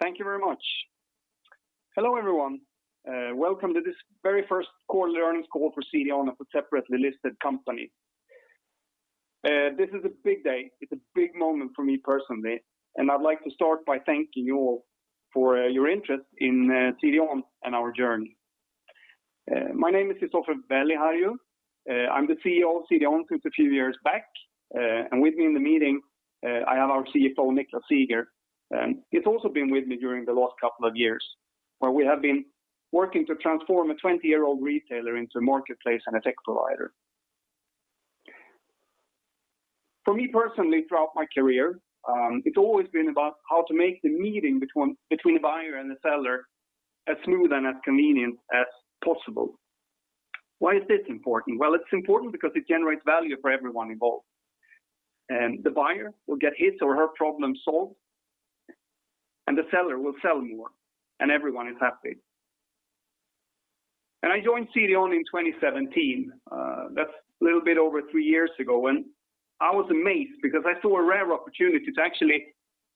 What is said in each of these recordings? Thank you very much. Hello, everyone. Welcome to this very first quarter earnings call for CDON, a separately listed company. This is a big day. It's a big moment for me personally, and I'd like to start by thanking you all for your interest in CDON and our journey. My name is Kristoffer Väliharju. I'm the CEO of CDON since a few years back. With me in the meeting, I have our CFO, Niclas Szieger. He's also been with me during the last couple of years, where we have been working to transform a 20-year-old retailer into a marketplace and a tech provider. For me personally, throughout my career, it's always been about how to make the meeting between a buyer and a seller as smooth and as convenient as possible. Why is this important? Well, it's important because it generates value for everyone involved. The buyer will get his or her problem solved, and the seller will sell more, and everyone is happy. I joined CDON in 2017. That's a little bit over three years ago, and I was amazed because I saw a rare opportunity to actually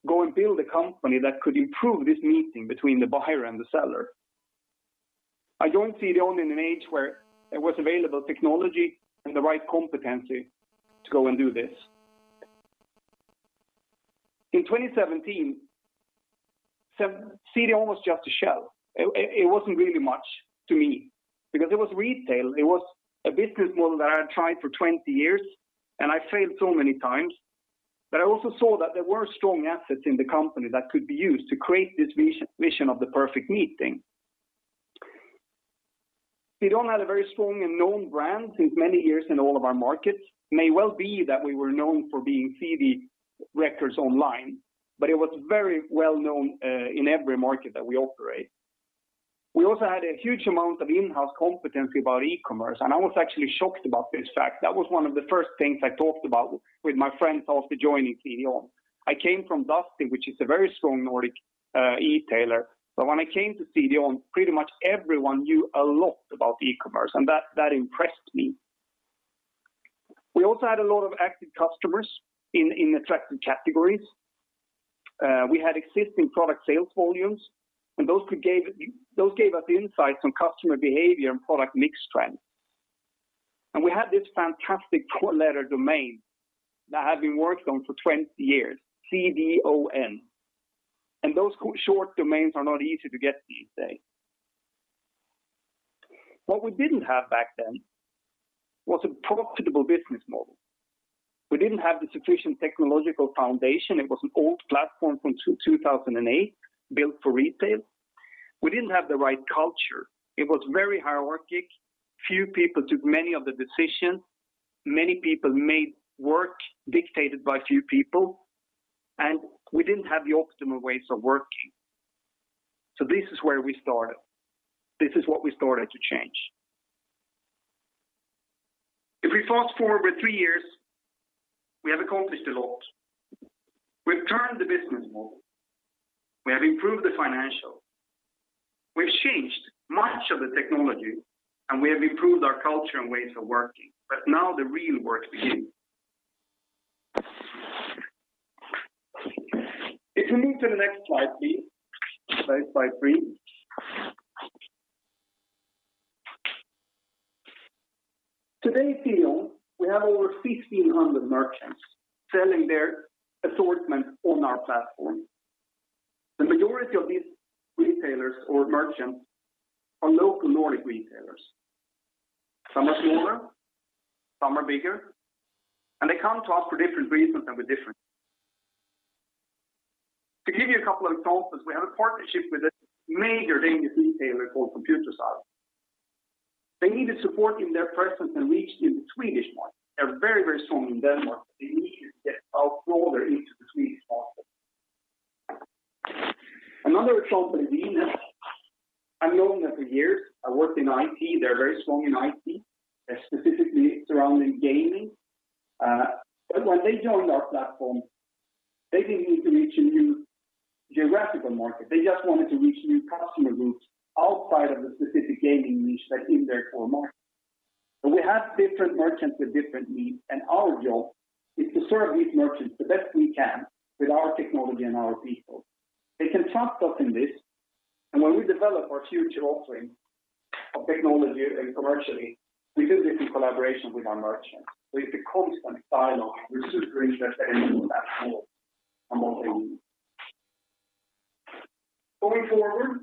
go and build a company that could improve this meeting between the buyer and the seller. I joined CDON in an age where there was available technology and the right competency to go and do this. In 2017, CDON was just a shell. It wasn't really much to me because it was retail. It was a business model that I had tried for 20 years, and I failed so many times. I also saw that there were strong assets in the company that could be used to create this vision of the perfect meeting. CDON had a very strong and known brand since many years in all of our markets. May well be that we were known for being CD records online, but it was very well known in every market that we operate. We also had a huge amount of in-house competency about e-commerce, and I was actually shocked about this fact. That was one of the first things I talked about with my friends after joining CDON. I came from Dustin, which is a very strong Nordic e-tailer. When I came to CDON, pretty much everyone knew a lot about e-commerce, and that impressed me. We also had a lot of active customers in attractive categories. We had existing product sales volumes, and those gave us insights on customer behavior and product mix trends. We had this fantastic four-letter domain that had been worked on for 20 years, C-D-O-N. Those short domains are not easy to get these days. What we didn't have back then was a profitable business model. We didn't have the sufficient technological foundation. It was an old platform from 2008, built for retail. We didn't have the right culture. It was very hierarchic. Few people took many of the decisions. Many people made work dictated by few people, and we didn't have the optimal ways of working. This is where we started. This is what we started to change. If we fast forward three years, we have accomplished a lot. We've turned the business model. We have improved the financials. We've changed much of the technology, and we have improved our culture and ways of working. Now the real work begins. If we move to the next slide, please. Slide three. Today at CDON, we have over 1,600 merchants selling their assortment on our platform. The majority of these retailers or merchants are local Nordic retailers. Some are smaller, some are bigger, and they come to us for different reasons and with different needs. To give you a couple of examples, we have a partnership with a major Danish retailer called ComputerSalg. They needed support in their presence and reach in the Swedish market. They're very strong in Denmark, but they needed to get out further into the Swedish market. Another example is Inet. I've known them for years. I worked in IT. They're very strong in IT, specifically surrounding gaming. When they joined our platform, they didn't need to reach a new geographical market. They just wanted to reach new customer groups outside of the specific gaming niche that's in their core market. We have different merchants with different needs, and our job is to serve these merchants the best we can with our technology and our people. They can trust us in this, and when we develop our future offering of technology and commercially, we do this in collaboration with our merchants. It's a constant dialogue. Going forward,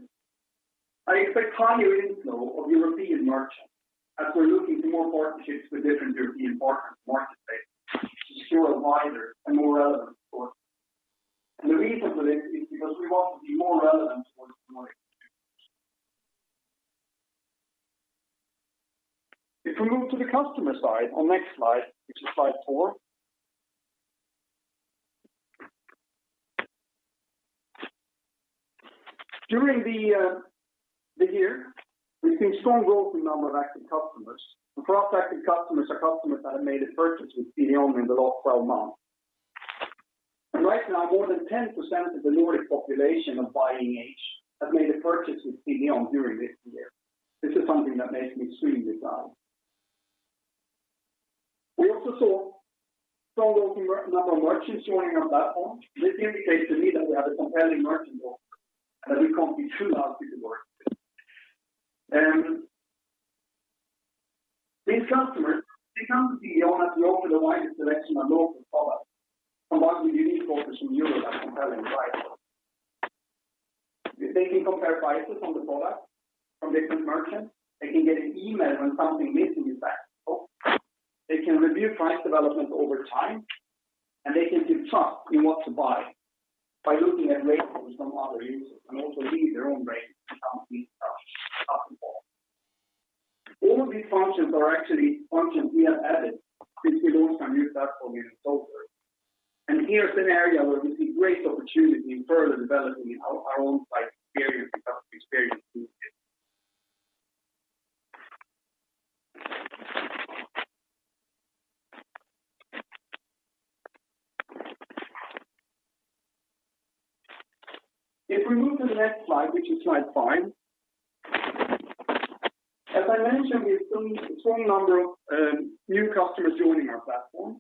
I expect higher inflow of European merchants as we're looking to more partnerships with different European marketplaces to secure a wider and more relevant assortment. The reason for this is because we want to be more relevant for the Nordic consumers. If we move to the customer side on next slide, which is slide four. During the year, we've seen strong growth in the number of active customers. For us, active customers are customers that have made a purchase with CDON in the last 12 months. Right now, more than 10% of the Nordic population of buying age have made a purchase with CDON during this year. This is something that makes me extremely proud. We also saw strong number of merchants joining our platform. This indicates to me that we have a compelling merchant offer and that we can't be too large for the market. These customers, they come to CDON as we offer the widest selection of local products combined with unique offers from Europe at compelling prices. They can compare prices on the product from different merchants. They can get an email when something new is back in stock. They can review price development over time, and they can give trust in what to buy by looking at ratings from other users and also leaving their own rating on these products across the board. All of these functions are actually functions we have added since we launched our new platform in October, and here is an area where we see great opportunity in further developing our own buying experience and customer experience moving forward. If we move to the next slide, which is slide five. As I mentioned, we have seen strong number of new customers joining our platform,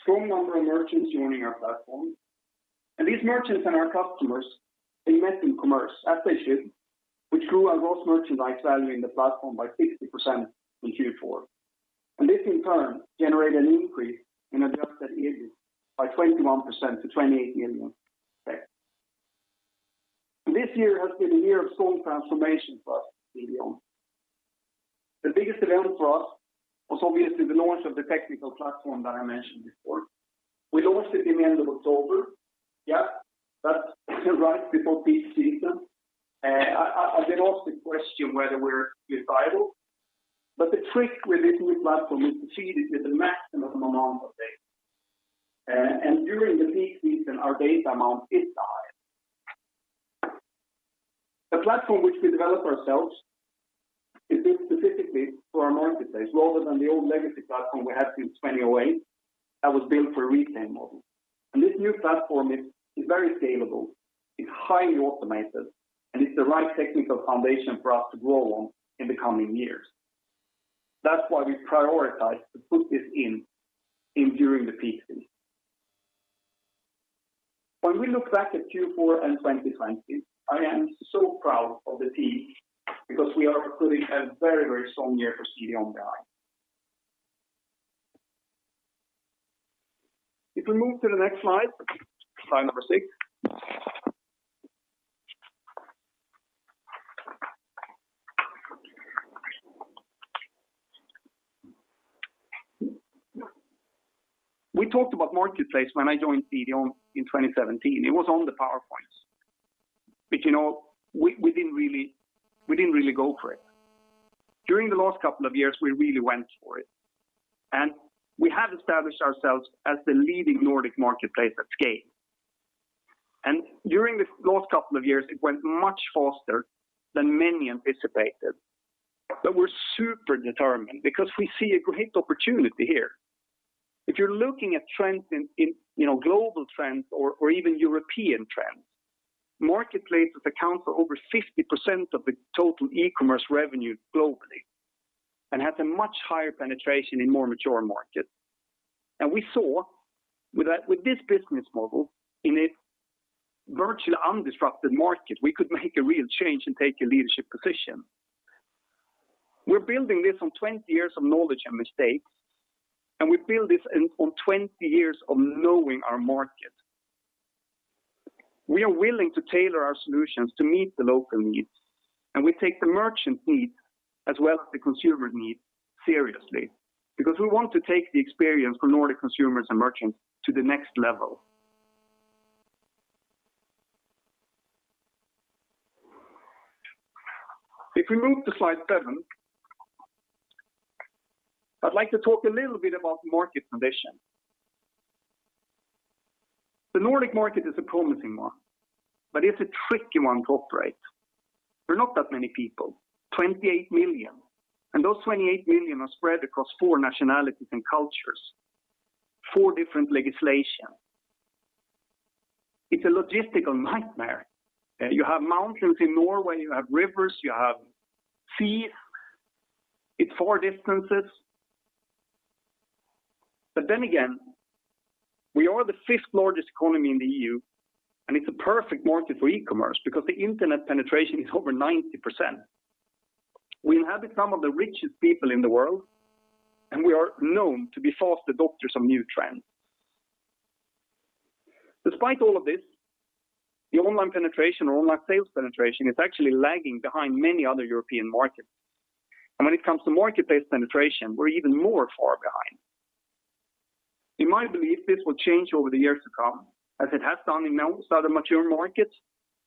strong number of merchants joining our platform. These merchants and our customers, they met in commerce as they should, which grew our gross merchandise value in the platform by 60% in Q4. This, in turn, generated an increase in adjusted EBIT by 21% to 28 million. This year has been a year of strong transformation for us at CDON. The biggest event for us was obviously the launch of the technical platform that I mentioned before. We launched it in the end of October. Yeah, that's right before peak season. I get often questioned whether we're suicidal, but the trick with this new platform is to feed it with a maximum amount of data, and during the peak season, our data amount is high. The platform which we developed ourselves is built specifically for our marketplace rather than the old legacy platform we had since 2008 that was built for a retail model. This new platform is very scalable. It's highly automated, and it's the right technical foundation for us to grow on in the coming years. That's why we prioritized to put this in during the peak season. When we look back at Q4 and 2020, I am so proud of the team because we are putting a very strong year for CDON behind. If we move to the next slide number six. We talked about marketplace when I joined CDON in 2017. It was on the PowerPoints, but we didn't really go for it. During the last couple of years, we really went for it, and we have established ourselves as the leading Nordic marketplace at scale. During the last couple of years, it went much faster than many anticipated, but we're super determined because we see a great opportunity here. If you're looking at global trends or even European trends, marketplaces account for over 50% of the total e-commerce revenue globally and has a much higher penetration in more mature markets. We saw with this business model in a virtually undisrupted market, we could make a real change and take a leadership position. We're building this on 20 years of knowledge and mistakes, and we build this on 20 years of knowing our market. We are willing to tailor our solutions to meet the local needs, and we take the merchant need as well as the consumer need seriously because we want to take the experience for Nordic consumers and merchants to the next level. If we move to slide seven, I'd like to talk a little bit about market position. The Nordic market is a promising one, but it's a tricky one to operate. We're not that many people, 28 million, and those 28 million are spread across four nationalities and cultures, four different legislation. It's a logistical nightmare. You have mountains in Norway, you have rivers, you have sea. It's far distances. We are the fifth largest economy in the EU, and it's a perfect market for e-commerce because the internet penetration is over 90%. We inhabit some of the richest people in the world, and we are known to be fast adopters of new trends. Despite all of this, the online penetration or online sales penetration is actually lagging behind many other European markets. When it comes to marketplace penetration, we're even more far behind. In my belief, this will change over the years to come as it has done in most other mature markets,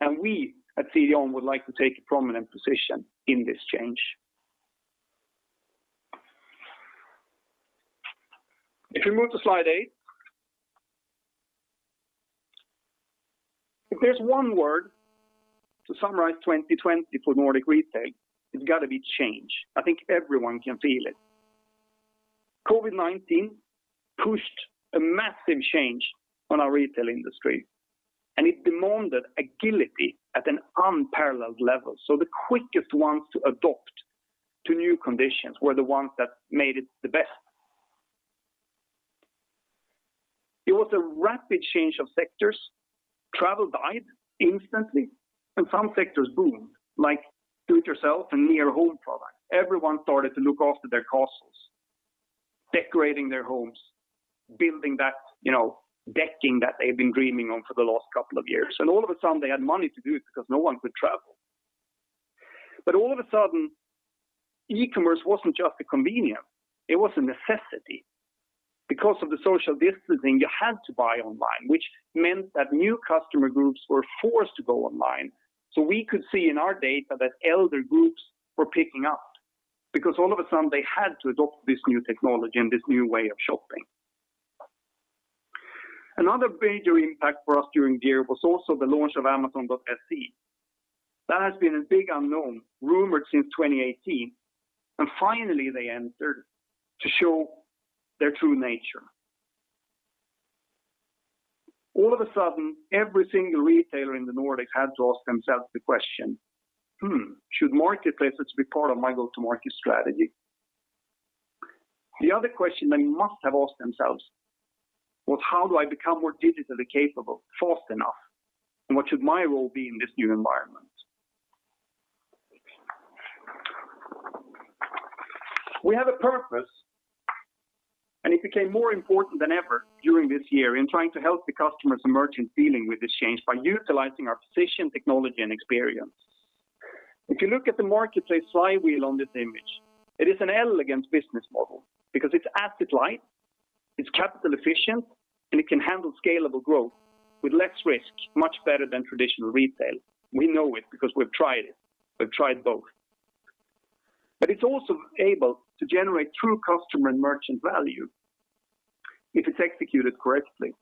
and we at CDON would like to take a prominent position in this change. If we move to slide eight. If there's one word to summarize 2020 for Nordic retail, it's got to be change. I think everyone can feel it. COVID-19 pushed a massive change on our retail industry. It demanded agility at an unparalleled level. The quickest ones to adopt to new conditions were the ones that made it the best. It was a rapid change of sectors. Travel died instantly, and some sectors boomed, like do-it-yourself and near home products. Everyone started to look after their castles, decorating their homes, building that decking that they've been dreaming of for the last couple of years. All of a sudden, they had money to do it because no one could travel. All of a sudden, e-commerce wasn't just a convenience, it was a necessity. Because of the social distancing, you had to buy online, which meant that new customer groups were forced to go online. We could see in our data that elder groups were picking up, because all of a sudden, they had to adopt this new technology and this new way of shopping. Another major impact for us during the year was also the launch of Amazon.se. That has been a big unknown, rumored since 2018, and finally they entered to show their true nature. All of a sudden, every single retailer in the Nordics had to ask themselves the question, "Should marketplaces be part of my go-to-market strategy?" The other question they must have asked themselves was, "How do I become more digitally capable, fast enough, and what should my role be in this new environment?" We have a purpose, and it became more important than ever during this year in trying to help the customers emerge and dealing with this change by utilizing our position, technology, and experience. If you look at the marketplace flywheel on this image, it is an elegant business model because it's asset-light, it's capital efficient, and it can handle scalable growth with less risk, much better than traditional retail. We know it because we've tried it. We've tried both. It's also able to generate true customer and merchant value if it's executed correctly.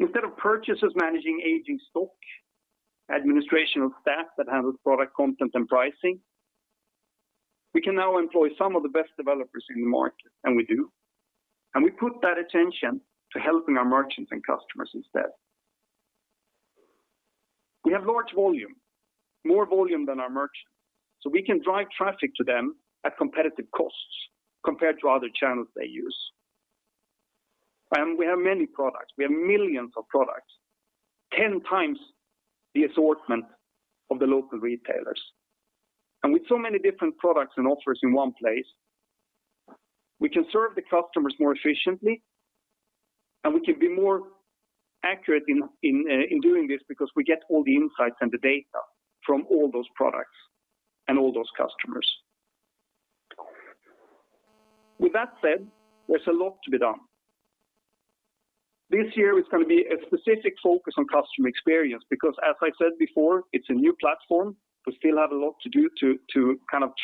Instead of purchasers managing aging stock, administrational staff that handles product content and pricing, we can now employ some of the best developers in the market, and we do. We put that attention to helping our merchants and customers instead. We have large volume, more volume than our merchants, so we can drive traffic to them at competitive costs compared to other channels they use. We have many products. We have millions of products, 10 times the assortment of the local retailers. With so many different products and offers in one place, we can serve the customers more efficiently and we can be more accurate in doing this because we get all the insights and the data from all those products and all those customers. With that said, there's a lot to be done. This year is going to be a specific focus on customer experience because as I said before, it's a new platform. We still have a lot to do to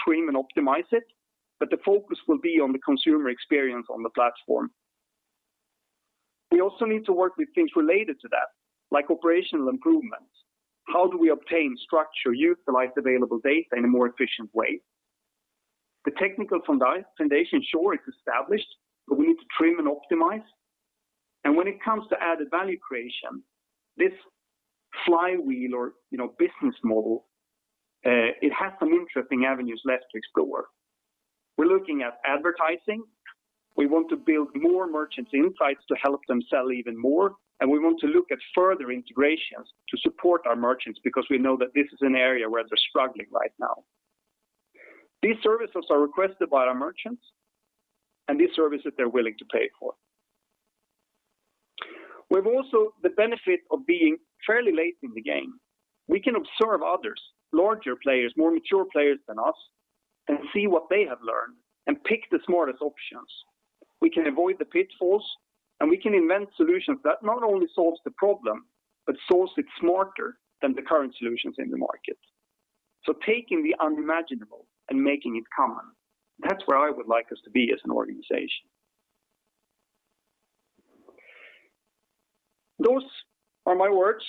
trim and optimize it, but the focus will be on the consumer experience on the platform. We also need to work with things related to that, like operational improvements. How do we obtain structure, utilize available data in a more efficient way? The technical foundation, sure, it's established, but we need to trim and optimize. When it comes to added value creation, this flywheel or business model, it has some interesting avenues left to explore. We're looking at advertising. We want to build more merchant insights to help them sell even more, and we want to look at further integrations to support our merchants, because we know that this is an area where they're struggling right now. These services are requested by our merchants, and these services they're willing to pay for. We have also the benefit of being fairly late in the game. We can observe others, larger players, more mature players than us, and see what they have learned and pick the smartest options. We can avoid the pitfalls, and we can invent solutions that not only solves the problem, but solves it smarter than the current solutions in the market. Taking the unimaginable and making it common, that's where I would like us to be as an organization. Those are my words.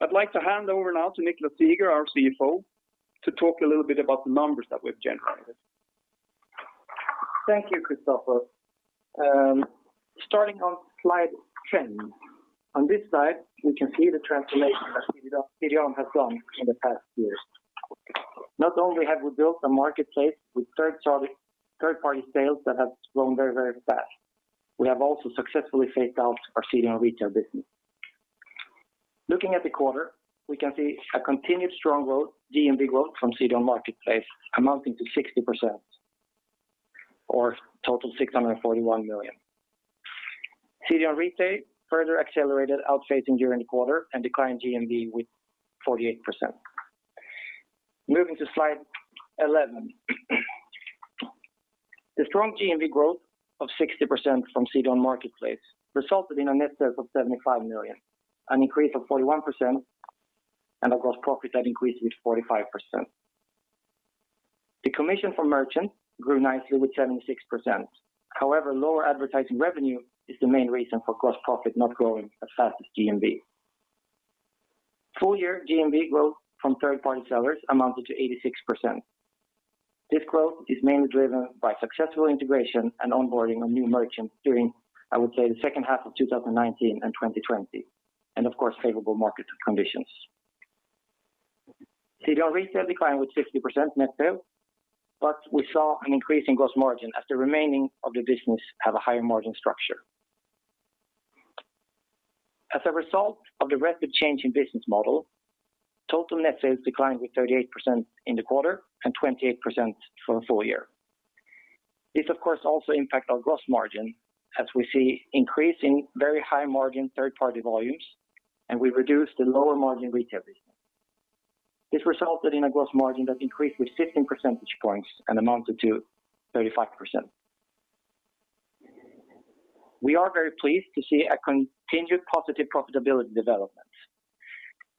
I'd like to hand over now to Niclas Szieger, our CFO, to talk a little bit about the numbers that we've generated. Thank you, Kristoffer. Starting on slide 10. On this slide, we can see the transformation that CDON has done in the past years. Not only have we built a marketplace with third-party sales that have grown very, very fast, we have also successfully phased out our CDON Retail business. Looking at the quarter, we can see a continued strong growth, GMV growth from CDON Marketplace amounting to 60%, or total 641 million. CDON Retail further accelerated outphasing during the quarter and declined GMV with 48%. Moving to slide 11. The strong GMV growth of 60% from CDON Marketplace resulted in a net sales of 75 million, an increase of 41%, and a gross profit that increased with 45%. The commission for merchant grew nicely with 76%. Lower advertising revenue is the main reason for gross profit not growing as fast as GMV. Full year GMV growth from third-party sellers amounted to 86%. This growth is mainly driven by successful integration and onboarding of new merchants during, I would say, the second half of 2019 and 2020, and of course, favorable market conditions. CDON Retail declined with 50% net sales, but we saw an increase in gross margin as the remaining of the business have a higher margin structure. As a result of the rapid change in business model, total net sales declined with 38% in the quarter and 28% for a full year. This, of course, also impact our gross margin as we see increasing very high margin third-party volumes, and we reduce the lower margin retail business. This resulted in a gross margin that increased with 15 percentage points and amounted to 35%. We are very pleased to see a continued positive profitability development.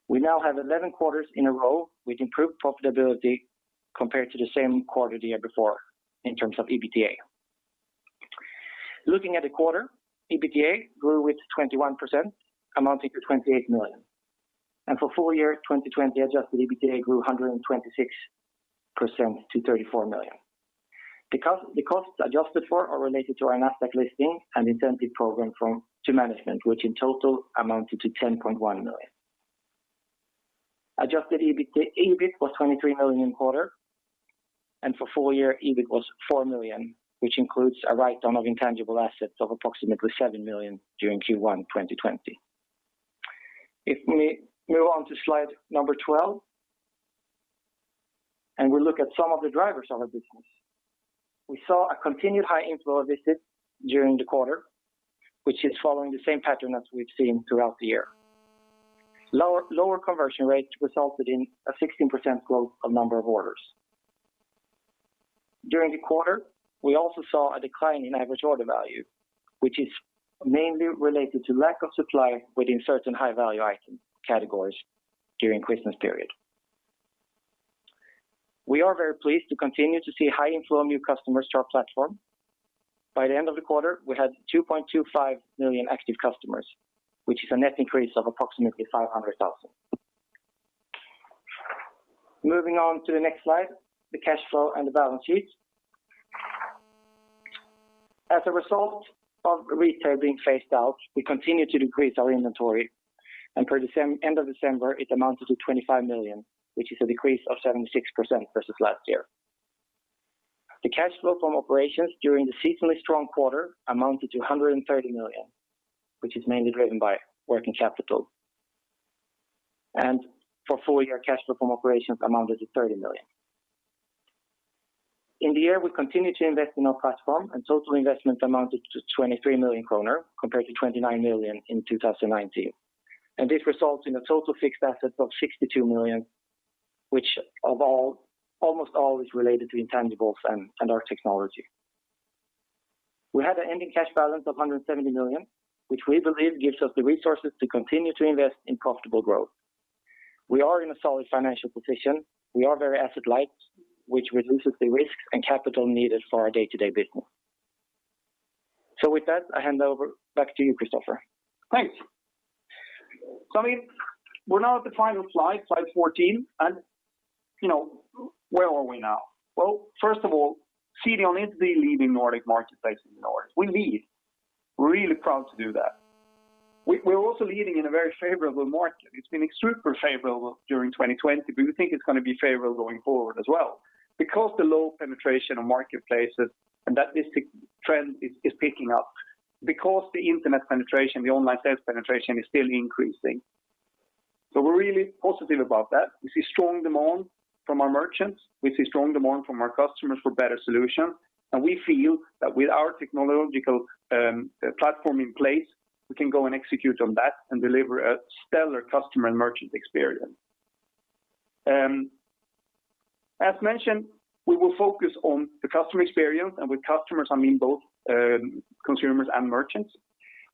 We now have 11 quarters in a row with improved profitability compared to the same quarter the year before in terms of EBITDA. Looking at the quarter, EBITDA grew with 21%, amounting to 28 million. For full year 2020, adjusted EBITDA grew 126% to 34 million. The costs adjusted for are related to our Nasdaq listing and incentive program to management, which in total amounted to 10.1 million. Adjusted EBIT was 23 million in quarter, and for full year EBIT was 4 million, which includes a write-down of intangible assets of approximately 7 million during Q1 2020. If we move on to slide number 12, and we look at some of the drivers of our business. We saw a continued high inflow of visits during the quarter, which is following the same pattern as we've seen throughout the year. Lower conversion rates resulted in a 16% growth of number of orders. During the quarter, we also saw a decline in average order value, which is mainly related to lack of supply within certain high-value item categories during Christmas period. We are very pleased to continue to see high inflow of new customers to our platform. By the end of the quarter, we had 2.25 million active customers, which is a net increase of approximately 500,000. Moving on to the next slide, the cash flow and the balance sheet. As a result of Retail being phased out, we continue to decrease our inventory, and for the end of December, it amounted to 25 million, which is a decrease of 76% versus last year. The cash flow from operations during the seasonally strong quarter amounted to 130 million, which is mainly driven by working capital. For full year, cash flow from operations amounted to 30 million. In the year, we continued to invest in our platform, total investment amounted to 23 million kronor compared to 29 million in 2019. This results in a total fixed asset of 62 million, which almost all is related to intangibles and our technology. We had an ending cash balance of 170 million, which we believe gives us the resources to continue to invest in profitable growth. We are in a solid financial position. We are very asset light, which reduces the risk and capital needed for our day-to-day business. With that, I hand over back to you, Kristoffer. Thanks. We're now at the final slide 14. Where are we now? First of all, CDON is the leading Nordic marketplace in the Nordics. We lead. Really proud to do that. We're also leading in a very favorable market. It's been super favorable during 2020, but we think it's going to be favorable going forward as well because the low penetration of marketplaces and that this trend is picking up because the internet penetration, the online sales penetration is still increasing. We're really positive about that. We see strong demand from our merchants. We see strong demand from our customers for better solutions, and we feel that with our technological platform in place, we can go and execute on that and deliver a stellar customer and merchant experience. As mentioned, we will focus on the customer experience, and with customers, I mean both consumers and merchants.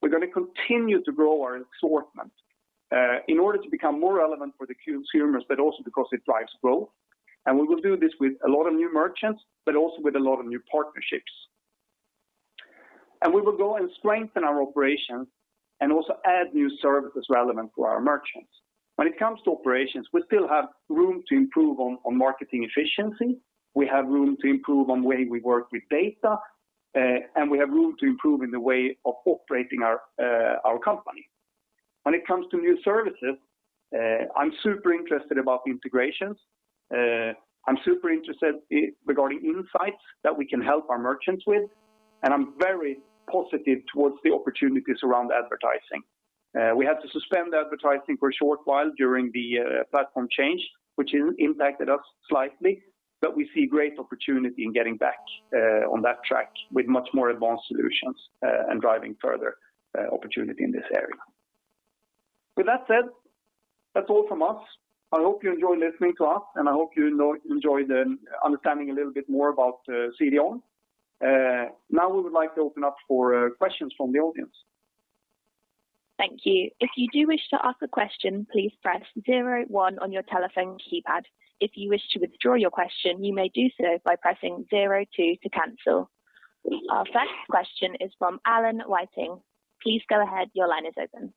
We're going to continue to grow our assortment in order to become more relevant for the consumers, but also because it drives growth. We will do this with a lot of new merchants, but also with a lot of new partnerships. We will go and strengthen our operations and also add new services relevant for our merchants. When it comes to operations, we still have room to improve on marketing efficiency. We have room to improve on way we work with data, and we have room to improve in the way of operating our company. When it comes to new services, I'm super interested about integrations. I'm super interested regarding insights that we can help our merchants with, and I'm very positive towards the opportunities around advertising. We had to suspend advertising for a short while during the platform change, which impacted us slightly, but we see great opportunity in getting back on that track with much more advanced solutions, and driving further opportunity in this area. With that said, that's all from us. I hope you enjoyed listening to us, and I hope you enjoyed understanding a little bit more about CDON. Now we would like to open up for questions from the audience. Thank you. If you do wish to ask a question, please press zero one on your telephone keypad. If you wish to withdraw your question, you may do so by pressing zero two to cancel. Our first question is from Adam Wyden. Please go ahead. Your line is open.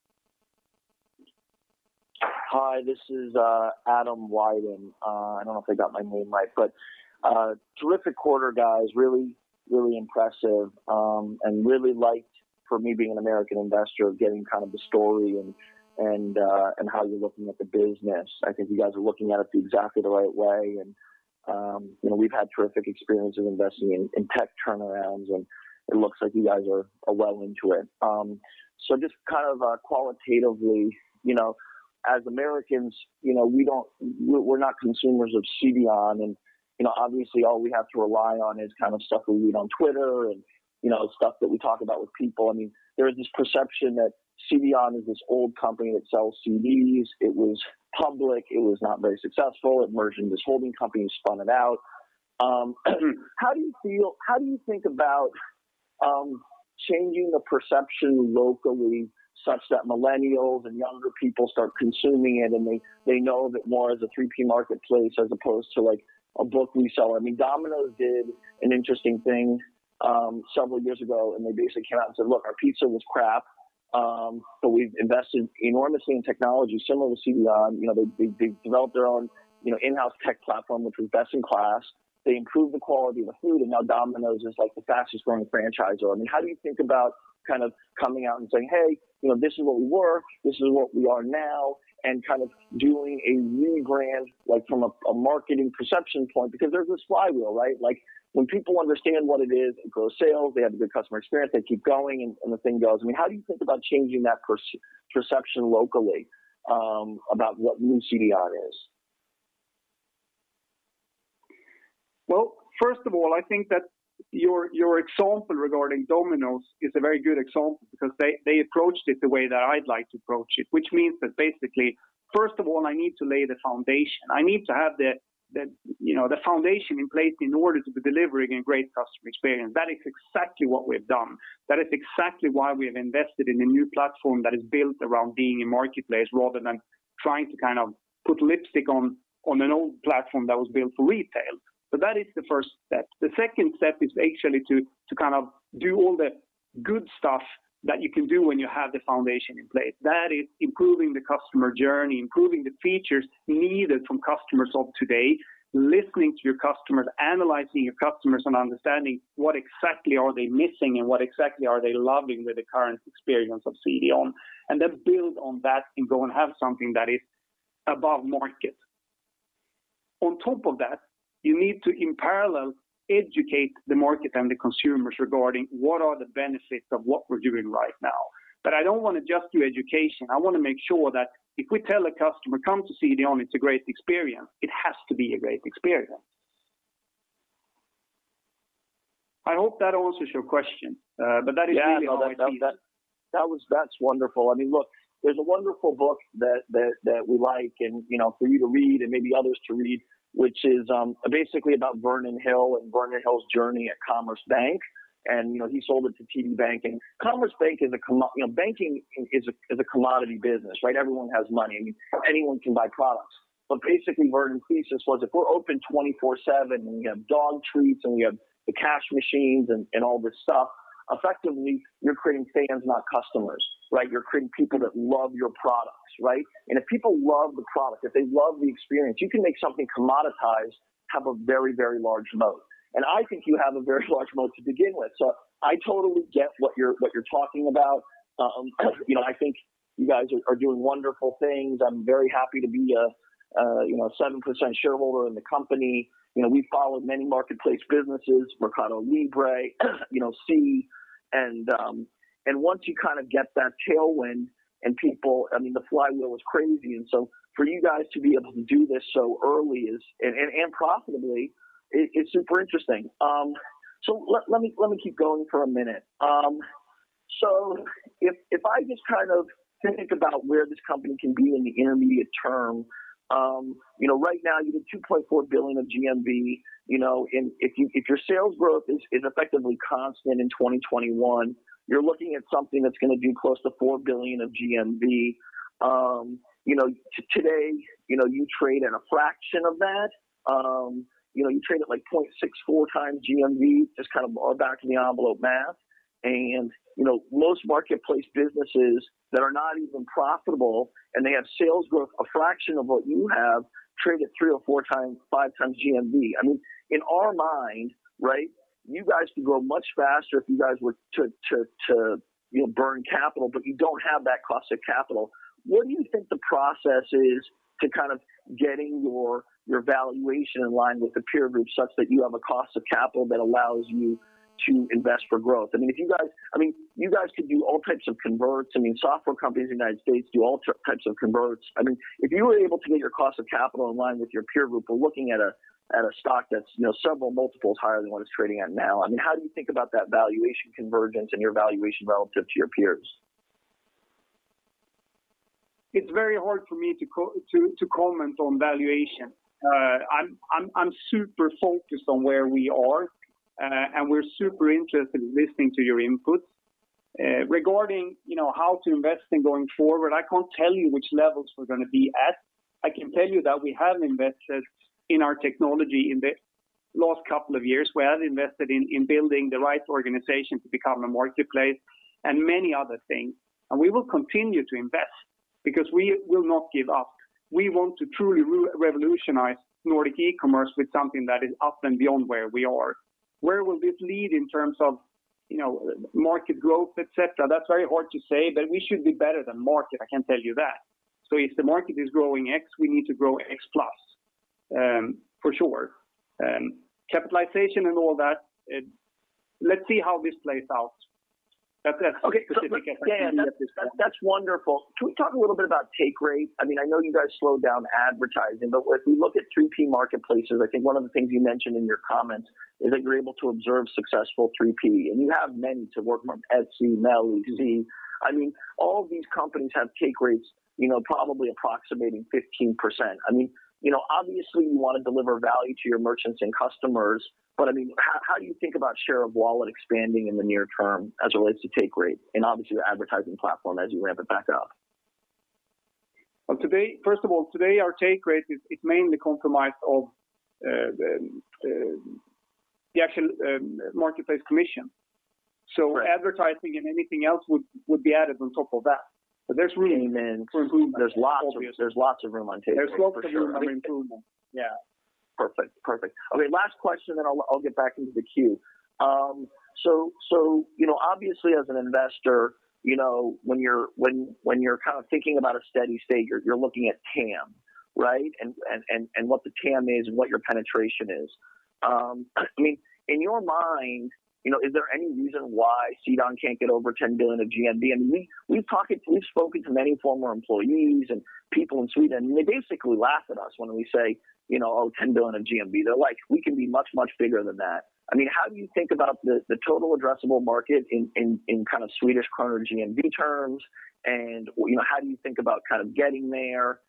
Hi, this is Adam Wyden. I don't know if I got my name right, terrific quarter, guys. Really impressive. Really liked, for me being an American investor, getting the story and how you're looking at the business. I think you guys are looking at it the exactly the right way, and we've had terrific experience of investing in tech turnarounds, and it looks like you guys are well into it. Just qualitatively, as Americans, we're not consumers of CDON, and obviously all we have to rely on is stuff we read on Twitter and stuff that we talk about with people. There is this perception that CDON is this old company that sells CDs. It was public. It was not very successful. It merged in this holding company, spun it out. How do you think about changing the perception locally such that millennials and younger people start consuming it, and they know of it more as a 3P marketplace as opposed to a book reseller? Domino's did an interesting thing several years ago, and they basically came out and said, "Look, our pizza was crap. We've invested enormously in technology," similar to CDON. They've developed their own in-house tech platform, which was best in class. They improved the quality of the food, and now Domino's is the fastest growing franchisor. How do you think about coming out and saying, "Hey, this is what we were, this is what we are now," and doing a rebrand from a marketing perception point, because there's a flywheel, right? When people understand what it is, it grows sales, they have a good customer experience, they keep going, and the thing goes. How do you think about changing that perception locally about what new CDON is? First of all, I think that your example regarding Domino's is a very good example because they approached it the way that I'd like to approach it, which means that basically, first of all, I need to lay the foundation. I need to have the foundation in place in order to be delivering a great customer experience. That is exactly what we've done. That is exactly why we have invested in a new platform that is built around being a marketplace rather than trying to put lipstick on an old platform that was built for retail. That is the first step. The second step is actually to do all the good stuff that you can do when you have the foundation in place. That is improving the customer journey, improving the features needed from customers of today, listening to your customers, analyzing your customers, and understanding what exactly are they missing and what exactly are they loving with the current experience of CDON, and then build on that and go and have something that is above market. On top of that, you need to, in parallel, educate the market and the consumers regarding what are the benefits of what we're doing right now. I don't want to just do education. I want to make sure that if we tell a customer, "Come to CDON, it's a great experience," it has to be a great experience. I hope that answers your question. That is really how I see that. Yeah. No, that's wonderful. Look, there's a wonderful book that we like and for you to read and maybe others to read, which is basically about Vernon Hill and Vernon Hill's journey at Commerce Bank, and he sold it to TD Bank. Commerce Bank is a banking commodity business, right? Everyone has money. Anyone can buy products. Basically, Vernon thesis was, if we're open 24/7, and we have dog treats, and we have the cash machines, and all this stuff, effectively, you're creating fans, not customers, right? You're creating people that love your products, right? If people love the product, if they love the experience, you can make something commoditized have a very, very large moat. I think you have a very large moat to begin with. I totally get what you're talking about. I think you guys are doing wonderful things. I'm very happy to be a 7% shareholder in the company. We've followed many marketplace businesses, MercadoLibre, Sea. Once you get that tailwind and people-- the flywheel is crazy, for you guys to be able to do this so early and profitably, it's super interesting. Let me keep going for a minute. If I just think about where this company can be in the intermediate term. Right now you did 2.4 billion of GMV. If your sales growth is effectively constant in 2021, you're looking at something that's going to do close to 4 billion of GMV. Today, you trade at a fraction of that. You trade at, like, 0.64 times GMV, just kind of back of the envelope math. Most marketplace businesses that are not even profitable and they have sales worth a fraction of what you have trade at three or four times, five times GMV. In our mind, you guys could grow much faster if you guys were to burn capital, but you don't have that cost of capital. What do you think the process is to getting your valuation in line with the peer group such that you have a cost of capital that allows you to invest for growth? You guys could do all types of converts. Software companies in the U.S. do all types of converts. If you were able to get your cost of capital in line with your peer group, we're looking at a stock that's several multiples higher than what it's trading at now. How do you think about that valuation convergence and your valuation relative to your peers? It's very hard for me to comment on valuation. I'm super focused on where we are, and we're super interested in listening to your input regarding how to invest in going forward. I can't tell you which levels we're going to be at. I can tell you that we have invested in our technology in the last couple of years. We have invested in building the right organization to become a marketplace, and many other things. We will continue to invest because we will not give up. We want to truly revolutionize Nordic e-commerce with something that is up and beyond where we are. Where will this lead in terms of market growth, et cetera? That's very hard to say, but we should be better than market, I can tell you that. If the market is growing X, we need to grow X plus, for sure. Capitalization and all that, let's see how this plays out. That's as specific as I can be at this point. That's wonderful. Can we talk a little bit about take rate? I know you guys slowed down advertising. If we look at 3P marketplaces, I think one of the things you mentioned in your comments is that you're able to observe successful 3P, and you have many to work from, Etsy, MELI, Sea. All these companies have take rates probably approximating 15%. Obviously, you want to deliver value to your merchants and customers. How do you think about share of wallet expanding in the near term as it relates to take rate, and obviously the advertising platform as you ramp it back up? First of all, today, our take rate is mainly comprised of the actual marketplace commission. Right. Advertising and anything else would be added on top of that. There's lots of room on take rate, for sure. There's lots of room. I mean, improvement. Yeah. Perfect. Okay, last question then I'll get back into the queue. Obviously as an investor, when you're kind of thinking about a steady state, you're looking at TAM, right? What the TAM is and what your penetration is. In your mind, is there any reason why CDON can't get over 10 billion of GMV? We've spoken to many former employees and people in Sweden, and they basically laugh at us when we say, "10 billion of GMV." They're like, "We can be much, much bigger than that." How do you think about the total addressable market in kind of SEK GMV terms, and how do you think about kind of getting there,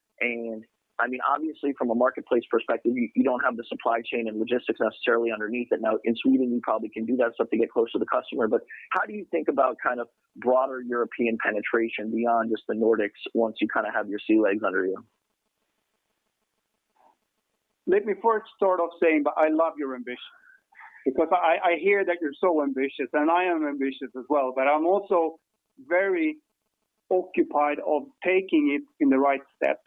and obviously from a marketplace perspective, you don't have the supply chain and logistics necessarily underneath it. Now, in Sweden, you probably can do that stuff to get close to the customer, but how do you think about kind of broader European penetration beyond just the Nordics once you kind of have your sea legs under you? Let me first start off saying that I love your ambition, because I hear that you're so ambitious, and I am ambitious as well, but I'm also very occupied of taking it in the right steps,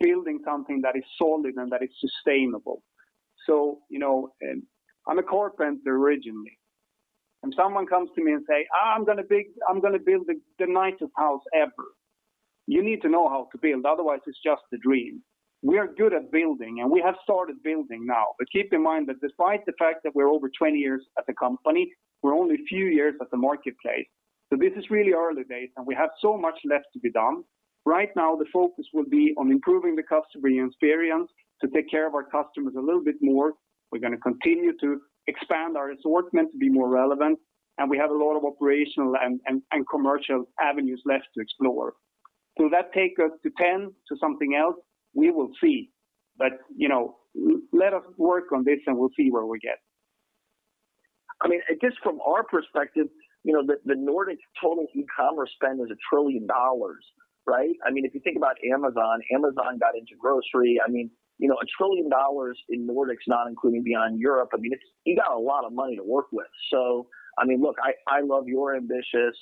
building something that is solid and that is sustainable. I'm a carpenter originally. When someone comes to me and say, "I'm going to build the nicest house ever." You need to know how to build, otherwise it's just a dream. We are good at building, and we have started building now, but keep in mind that despite the fact that we're over 20 years as a company, we're only a few years as a marketplace. This is really early days, and we have so much left to be done. Right now, the focus will be on improving the customer experience to take care of our customers a little bit more. We're going to continue to expand our assortment to be more relevant, and we have a lot of operational and commercial avenues left to explore. Will that take us to 10, to something else? We will see. Let us work on this, and we'll see where we get. Just from our perspective, the Nordic total e-commerce spend is SEK 1 trillion, right? If you think about Amazon got into grocery. SEK 1 trillion in Nordics, not including beyond Europe, you got a lot of money to work with. Look, I love your ambitiousness.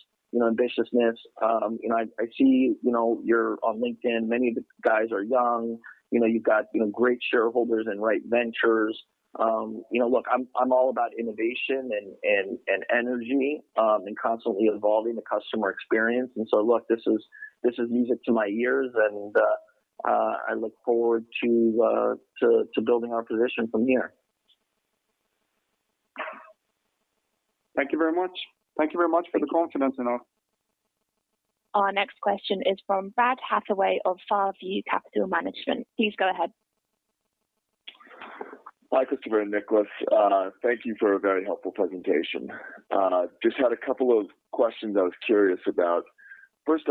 I see you're on LinkedIn. Many of the guys are young. You've got great shareholders and Rite Ventures. Look, I'm all about innovation and energy, and constantly evolving the customer experience. Look, this is music to my ears, and I look forward to building our position from here. Thank you very much. Thank you very much for the confidence and all. Our next question is from Brad Hathaway of Far View Capital Management. Please go ahead. Hi, Kristoffer and Niclas. Thank you for a very helpful presentation. Just had a couple of questions I was curious about. First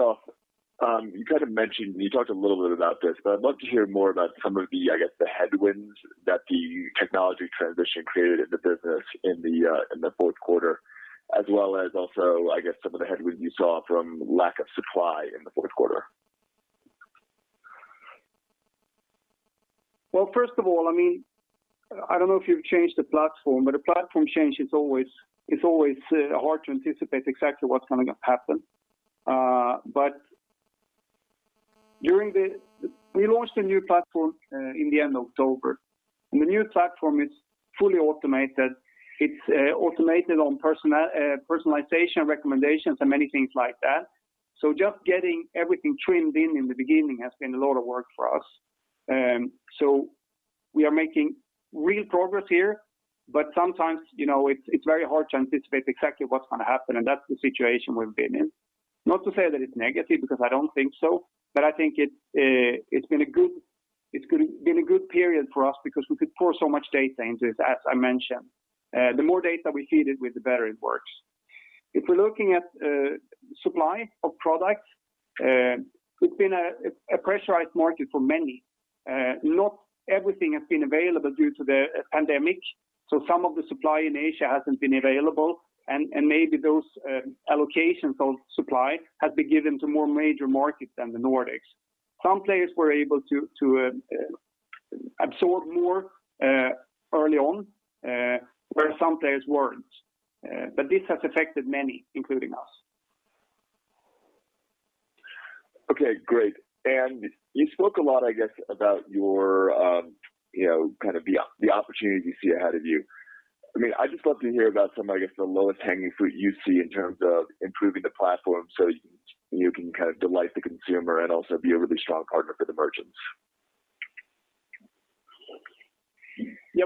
off, you kind of mentioned, you talked a little bit about this, but I'd love to hear more about some of the, I guess, the headwinds that the technology transition created in the business in the fourth quarter, as well as also, I guess, some of the headwinds you saw from lack of supply in the fourth quarter. Well, first of all, I don't know if you've changed the platform, a platform change it's always hard to anticipate exactly what's going to happen. We launched a new platform in the end of October, the new platform is fully automated. It's automated on personalization recommendations and many things like that. Just getting everything trimmed in in the beginning has been a lot of work for us. We are making real progress here, sometimes, it's very hard to anticipate exactly what's going to happen, that's the situation we've been in. Not to say that it's negative, because I don't think so, I think it's been a good period for us because we could pour so much data into this, as I mentioned. The more data we feed it with, the better it works. If we're looking at. Supply of products. It's been a pressurized market for many. Not everything has been available due to the pandemic, so some of the supply in Asia hasn't been available, and maybe those allocations of supply have been given to more major markets than the Nordics. Some players were able to absorb more early on, where some players weren't. This has affected many, including us. Okay, great. You spoke a lot, I guess, about the opportunities you see ahead of you. I just love to hear about some, I guess, the lowest hanging fruit you see in terms of improving the platform so you can kind of delight the consumer and also be a really strong partner for the merchants. Yeah.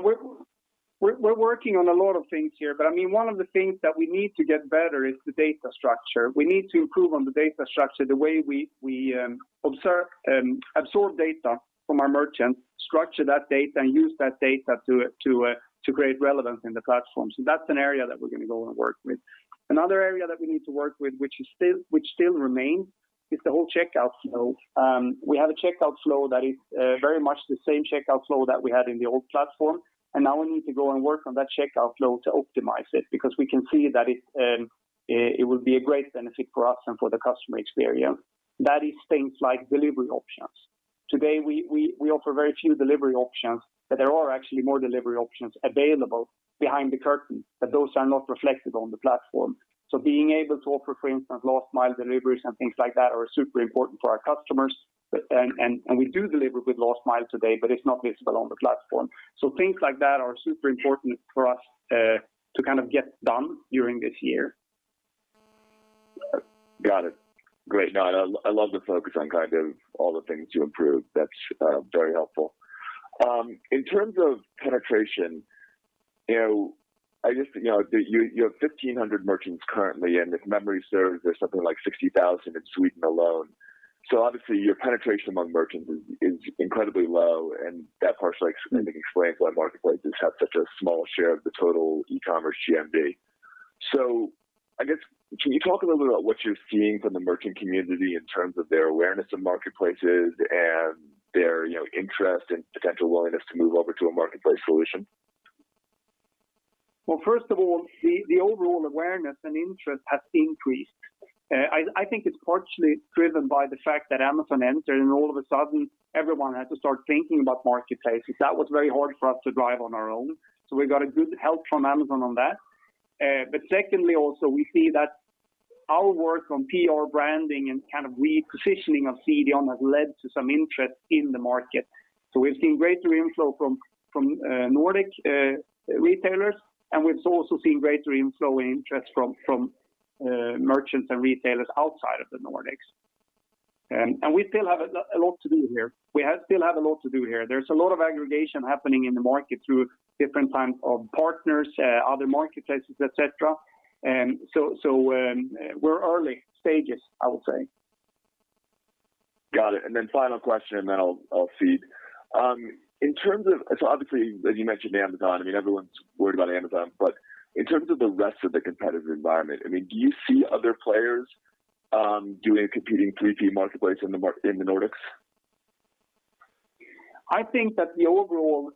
We're working on a lot of things here, but one of the things that we need to get better is the data structure. We need to improve on the data structure, the way we absorb data from our merchants, structure that data, and use that data to create relevance in the platform. That's an area that we're going to go and work with. Another area that we need to work with, which still remains, is the whole checkout flow. We have a checkout flow that is very much the same checkout flow that we had in the old platform, and now we need to go and work on that checkout flow to optimize it, because we can see that it would be a great benefit for us and for the customer experience. That is things like delivery options. Today, we offer very few delivery options, but there are actually more delivery options available behind the curtain, but those are not reflected on the platform. Being able to offer, for instance, last mile deliveries and things like that are super important for our customers. We do deliver with last mile today, but it's not visible on the platform. Things like that are super important for us to kind of get done during this year. Got it. Great. No, I love the focus on kind of all the things you improved. That's very helpful. In terms of penetration, you have 1,500 merchants currently, and if memory serves, there's something like 60,000 in Sweden alone. Obviously your penetration among merchants is incredibly low, and that partially I think explains why marketplaces have such a small share of the total e-commerce GMV. I guess, can you talk a little bit about what you're seeing from the merchant community in terms of their awareness of marketplaces and their interest and potential willingness to move over to a marketplace solution? Well, first of all, the overall awareness and interest has increased. I think it's partially driven by the fact that Amazon entered, all of a sudden, everyone has to start thinking about marketplaces. That was very hard for us to drive on our own, we got a good help from Amazon on that. Secondly, also, we see that our work on PR branding and kind of repositioning of CDON has led to some interest in the market. We've seen greater inflow from Nordic retailers, we've also seen greater inflow and interest from merchants and retailers outside of the Nordics. We still have a lot to do here. There's a lot of aggregation happening in the market through different kinds of partners, other marketplaces, et cetera. We're early stages, I would say. Got it. Final question, and then I'll cede. Obviously, as you mentioned Amazon, everyone's worried about Amazon, but in terms of the rest of the competitive environment, do you see other players doing competing 3P marketplace in the Nordics? I think that the overall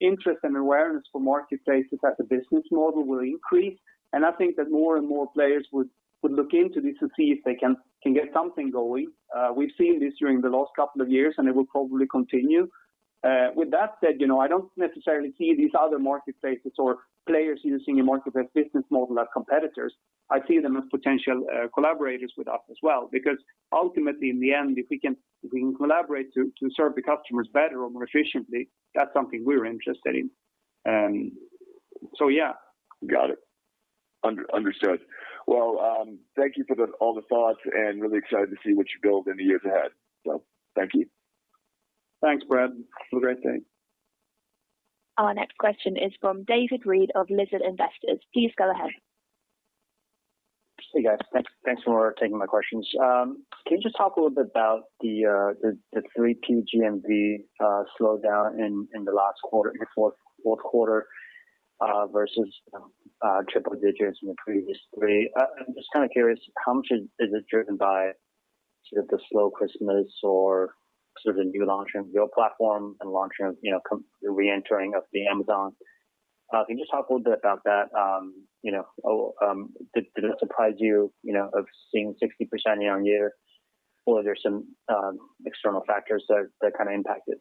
interest and awareness for marketplaces as a business model will increase, and I think that more and more players would look into this to see if they can get something going. We've seen this during the last couple of years, and it will probably continue. With that said, I don't necessarily see these other marketplaces or players using a marketplace business model as competitors. I see them as potential collaborators with us as well, because ultimately, in the end if we can collaborate to serve the customers better or more efficiently, that's something we're interested in. Yeah. Got it. Understood. Well, thank you for all the thoughts and really excited to see what you build in the years ahead. Thank you. Thanks, Brad. Have a great day. Our next question is from David Reed of Lizard Investors. Please go ahead. Hey, guys. Thanks for taking my questions. Can you just talk a little bit about the 3P GMV slowdown in the last quarter, in the fourth quarter, versus triple digits in the previous three? I'm just kind of curious, how much is it driven by sort of the slow Christmas or sort of the new launch of your platform and reentering of the Amazon? Can you just talk a little bit about that? Did it surprise you of seeing 60% year-over-year, or are there some external factors that kind of impact it?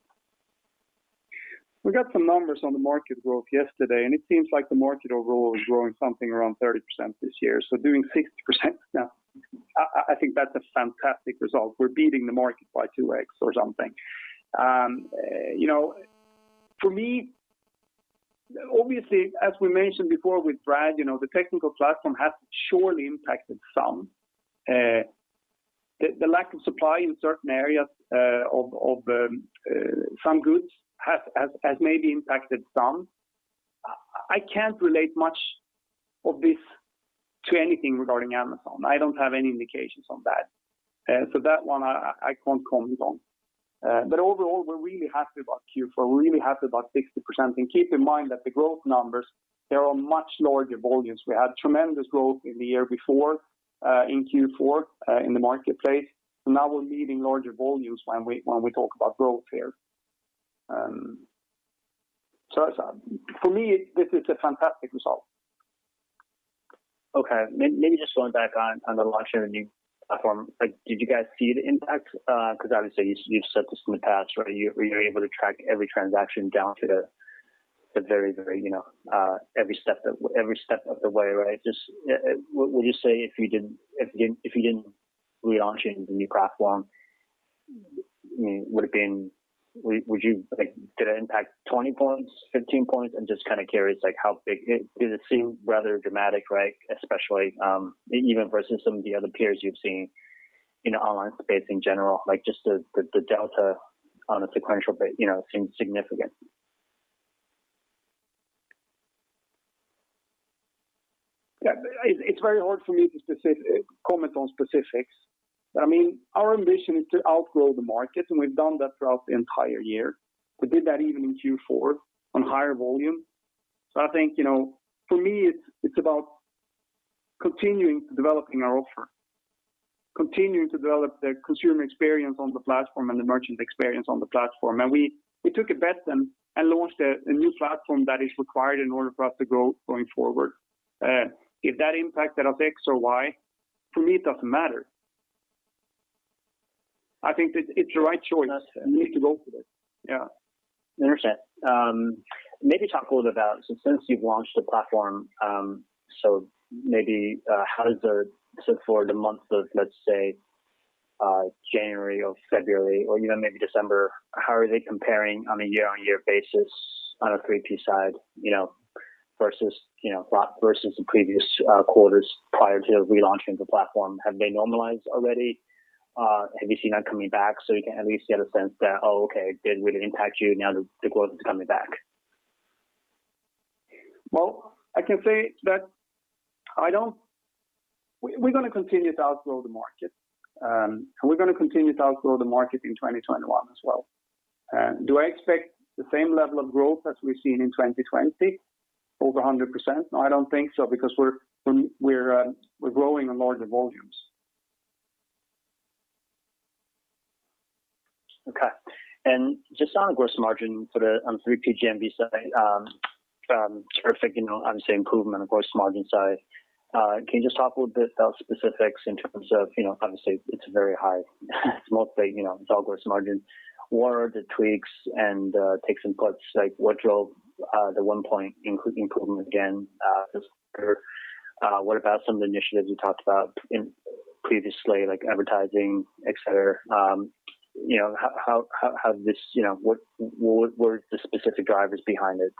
We got some numbers on the market growth yesterday, and it seems like the market overall is growing something around 30% this year. Doing 60% now, I think that's a fantastic result. We're beating the market by 2X or something. For me, obviously, as we mentioned before with Brad, the technical platform has surely impacted some. The lack of supply in certain areas of some goods has maybe impacted some. I can't relate much of this to anything regarding Amazon. I don't have any indications on that. That one, I can't comment on. Overall, we're really happy about Q4. We're really happy about 60%. Keep in mind that the growth numbers, they are much larger volumes. We had tremendous growth in the year before, in Q4, in the marketplace, so now we're needing larger volumes when we talk about growth here. For me, this is a fantastic result. Okay. Maybe just going back on the launch of the new platform. Did you guys see the impact? Obviously you've said this in the past, right? You're able to track every transaction down to every step of the way, right? Just, would you say if you didn't relaunch the new platform, did it impact 20 points, 15 points? I'm just kind of curious. Did it seem rather dramatic, right? Especially, even versus some of the other peers you've seen in the online space in general, just the delta on a sequential basis seems significant. Yeah. It's very hard for me to comment on specifics. Our ambition is to outgrow the market, and we've done that throughout the entire year. We did that even in Q4 on higher volume. I think, for me, it's about continuing developing our offer, continuing to develop the consumer experience on the platform and the merchant experience on the platform. We took a bet and launched a new platform that is required in order for us to grow going forward. If that impacted on X or Y, for me, it doesn't matter. I think it's the right choice. Understood. We need to go for it. Yeah. Interesting. Maybe talk a little about since you've launched the platform. For the month of, let’s say, January or February or even maybe December, how are they comparing on a year-on-year basis on a 3P side, versus the previous quarters prior to relaunching the platform? Have they normalized already? Have you seen that coming back so you can at least get a sense that, "Oh, okay, it did really impact you. Now the growth is coming back"? Well, I can say that we're going to continue to outgrow the market, and we're going to continue to outgrow the market in 2021 as well. Do I expect the same level of growth as we've seen in 2020, over 100%? No, I don't think so, because we're growing on larger volumes. Okay. Just on gross margin for the 3P GMV side, terrific obviously improvement on the gross margin side. Can you just talk a little bit about specifics in terms of obviously it's very high? It's mostly gross margin. What are the tweaks and takes and puts? Like what drove the one point improvement again this quarter? What about some of the initiatives you talked about previously, like advertising, et cetera? What were the specific drivers behind it?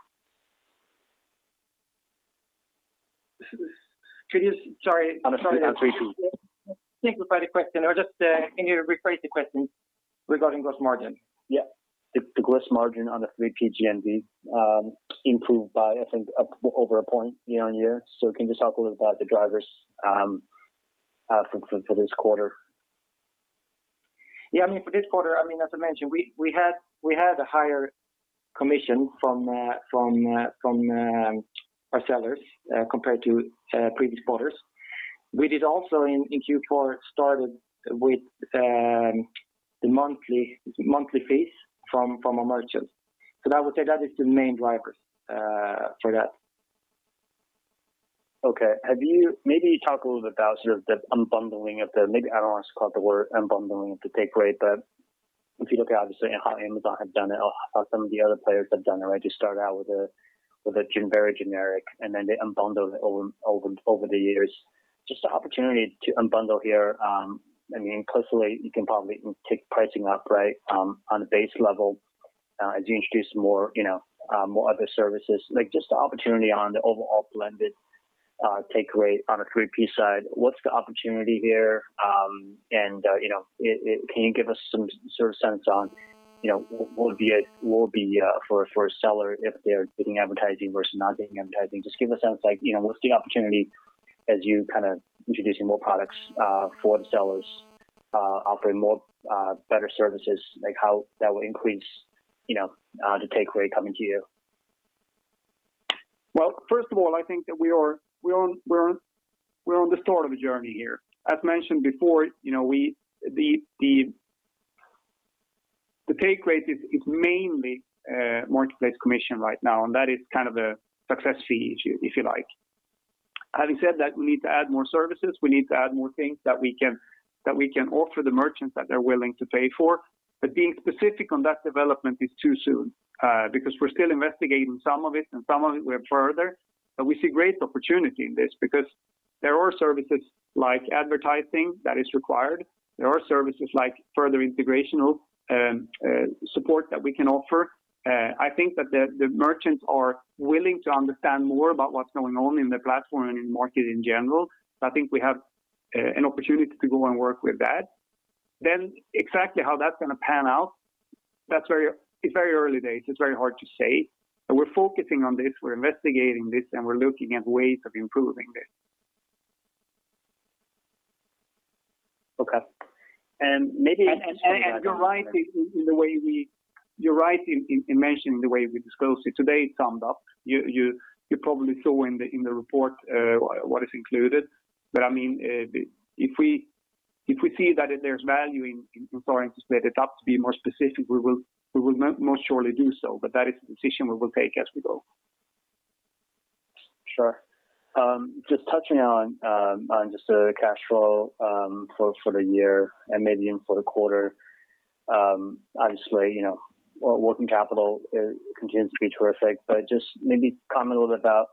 Could you. Sorry. On the 3P. Can you simplify the question or just can you rephrase the question regarding gross margin? Yeah. The gross margin on the 3P GMV improved by, I think, over a point year-on-year. Can you just talk a little about the drivers for this quarter? Yeah. For this quarter, as I mentioned, we had a higher commission from our sellers compared to previous quarters. We did also in Q4 started with the monthly fees from our merchants. I'd say that is the main driver for that. Okay. Maybe talk a little bit about sort of the unbundling of the, maybe, I don't want to call the word unbundling of the take rate, but if you look obviously at how Amazon have done it or how some of the other players have done it, right? You start out with a very generic, and then they unbundle over the years. Just the opportunity to unbundle here, clearly you can probably take pricing up, right, on a base level as you introduce more other services. Just the opportunity on the overall blended take rate on a 3P side, what's the opportunity here? Can you give us some sort of sense on what will be for a seller if they're doing advertising versus not doing advertising? Just give a sense, like what's the opportunity as you kind of introducing more products for the sellers, offering better services, like how that will increase the take rate coming to you? Well, first of all, I think that we're on the start of a journey here. As mentioned before, the take rate is mainly marketplace commission right now, and that is kind of the success fee, if you like. Having said that, we need to add more services. We need to add more things that we can offer the merchants that they're willing to pay for. Being specific on that development is too soon, because we're still investigating some of it, and some of it we're further. We see great opportunity in this because there are services like advertising that is required. There are services like further integrational support that we can offer. I think that the merchants are willing to understand more about what's going on in the platform and in market in general. I think we have an opportunity to go and work with that. Exactly how that's going to pan out. It's very early days. It's very hard to say. We're focusing on this, we're investigating this, and we're looking at ways of improving this. Okay. You're right in mentioning the way we disclose it. Today it summed up. You probably saw in the report what is included. If we see that there's value in starting to split it up to be more specific, we will most surely do so, but that is a decision we will take as we go. Sure. Just touching on the cash flow for the year and maybe even for the quarter. Obviously, working capital continues to be terrific, but just maybe comment a little bit about,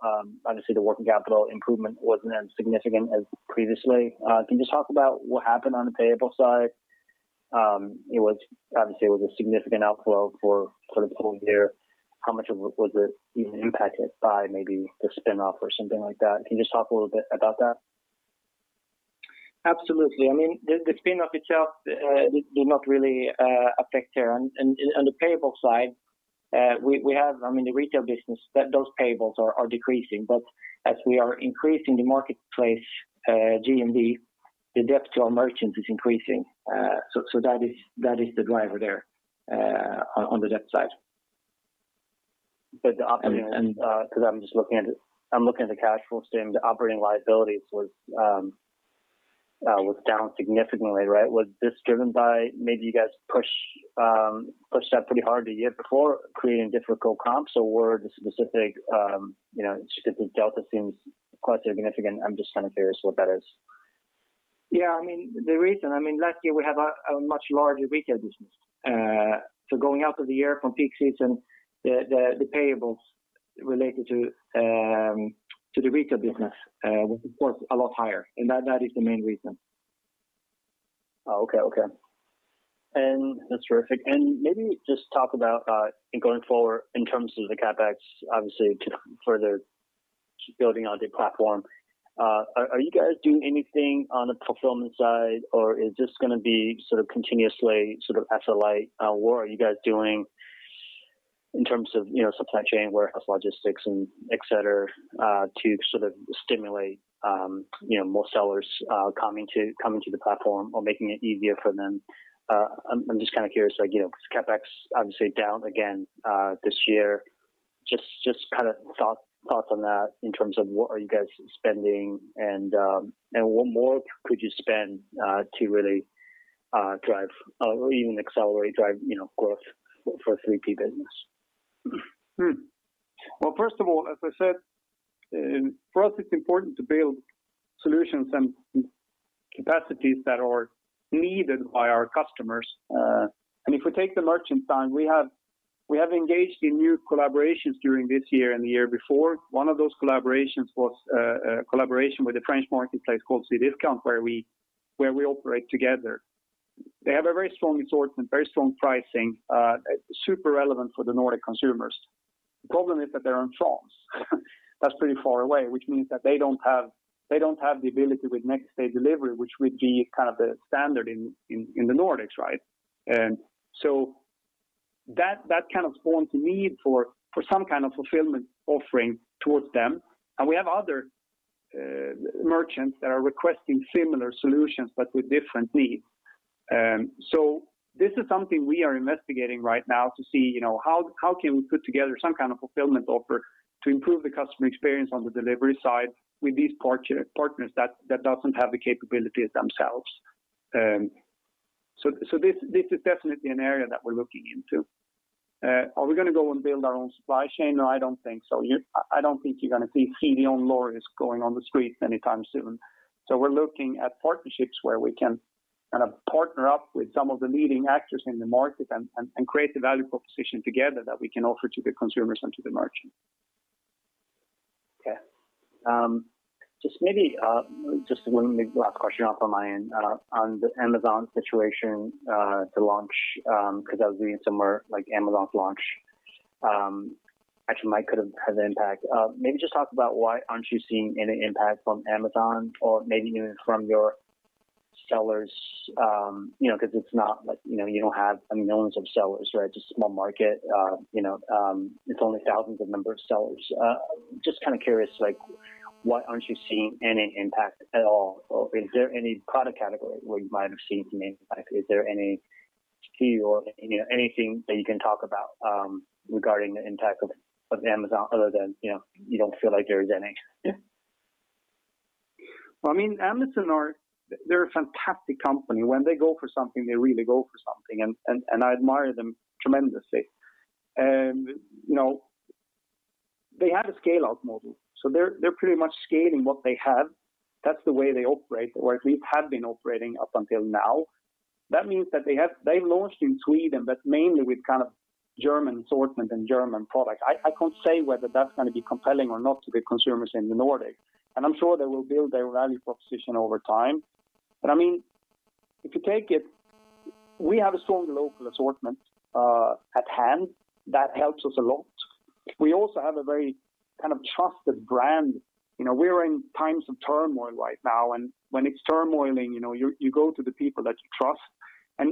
obviously, the working capital improvement wasn't as significant as previously. Can you just talk about what happened on the payable side? Obviously, it was a significant outflow for the whole year. How much of it was it impacted by maybe the spin-off or something like that? Can you just talk a little bit about that? Absolutely. The spin-off itself did not really affect it. On the payable side, we have the retail business, those payables are decreasing. As we are increasing the marketplace GMV, the debt to our merchants is increasing. That is the driver there, on the debt side. I'm looking at the cash flow statement, the operating liabilities was down significantly, right? Was this driven by maybe you guys pushed that pretty hard the year before, creating difficult comps? Just because the delta seems quite significant, I'm just kind of curious what that is. Yeah. Last year, we had a much larger retail business. Going out of the year from peak season, the payables related to the retail business was, of course, a lot higher, and that is the main reason. Oh, okay. That's terrific. Maybe just talk about, going forward, in terms of the CapEx, obviously, further building out the platform. Are you guys doing anything on the fulfillment side, or is this going to be continuously asset-light? Are you guys doing in terms of supply chain, warehouse logistics, and et cetera, to stimulate more sellers coming to the platform or making it easier for them? I'm just kind of curious, because CapEx, obviously, down again this year, just kind of thoughts on that in terms of what are you guys spending and what more could you spend to really drive or even accelerate growth for 3P business? Well, first of all, as I said, for us, it's important to build solutions and capacities that are needed by our customers. If we take the merchant side, we have engaged in new collaborations during this year and the year before. One of those collaborations was a collaboration with a French marketplace called Cdiscount, where we operate together. They have a very strong assortment, very strong pricing, super relevant for the Nordic consumers. The problem is that they're in France. That's pretty far away, which means that they don't have the ability with next day delivery, which would be kind of the standard in the Nordics, right? That kind of spawns a need for some kind of fulfillment offering towards them. We have other merchants that are requesting similar solutions, but with different needs. This is something we are investigating right now to see how can we put together some kind of fulfillment offer to improve the customer experience on the delivery side with these partners that doesn't have the capabilities themselves. This is definitely an area that we're looking into. Are we going to go and build our own supply chain? No, I don't think so. I don't think you're going to see CDON lorries going on the streets anytime soon. We're looking at partnerships where we can kind of partner up with some of the leading actors in the market and create the value proposition together that we can offer to the consumers and to the merchant. Okay. Just maybe, just one last question off on my end. On the Amazon situation, the launch, because I was reading somewhere like Amazon's launch actually might could have had an impact. Maybe just talk about why aren't you seeing any impact from Amazon or maybe even from your sellers, because you don't have millions of sellers, right? It's a small market. It's only thousands of number of sellers. Just kind of curious, why aren't you seeing any impact at all, or is there any product category where you might have seen some impact? Is there any key or anything that you can talk about regarding the impact of Amazon other than you don't feel like there is any? Well, Amazon, they're a fantastic company. When they go for something, they really go for something. I admire them tremendously. They have a scale-out model. They're pretty much scaling what they have. That's the way they operate, or at least had been operating up until now. That means that they've launched in Sweden, mainly with kind of German assortment and German product. I can't say whether that's going to be compelling or not to the consumers in the Nordic. I'm sure they will build their value proposition over time. If you take it, we have a strong local assortment at hand that helps us a lot. We also have a very trusted brand. We're in times of turmoil right now. When it's turmoiling, you go to the people that you trust.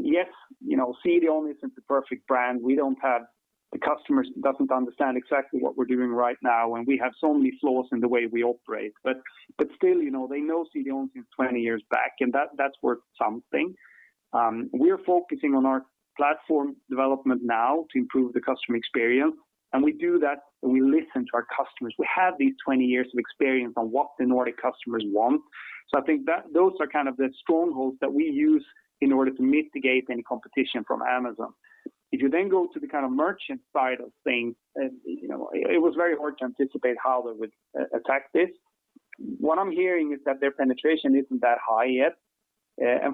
Yes, CDON isn't the perfect brand. The customer doesn't understand exactly what we're doing right now, and we have so many flaws in the way we operate. Still, they know CDON since 20 years back, and that's worth something. We're focusing on our platform development now to improve the customer experience. We do that, and we listen to our customers. We have these 20 years of experience on what the Nordic customers want. I think those are the strongholds that we use in order to mitigate any competition from Amazon. If you then go to the merchant side of things, it was very hard to anticipate how they would attack this. What I'm hearing is that their penetration isn't that high yet.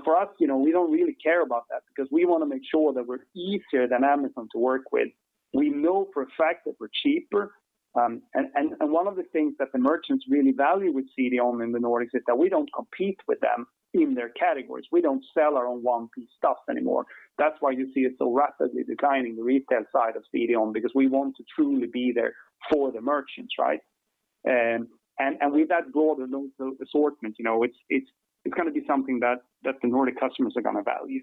For us, we don't really care about that because we want to make sure that we're easier than Amazon to work with. We know for a fact that we're cheaper, and one of the things that the merchants really value with CDON in the Nordics is that we don't compete with them in their categories. We don't sell our own 1P stuff anymore. That's why you see it so rapidly declining, the retail side of CDON, because we want to truly be there for the merchants, right? And with that broader assortment, it's going to be something that the Nordic customers are going to value.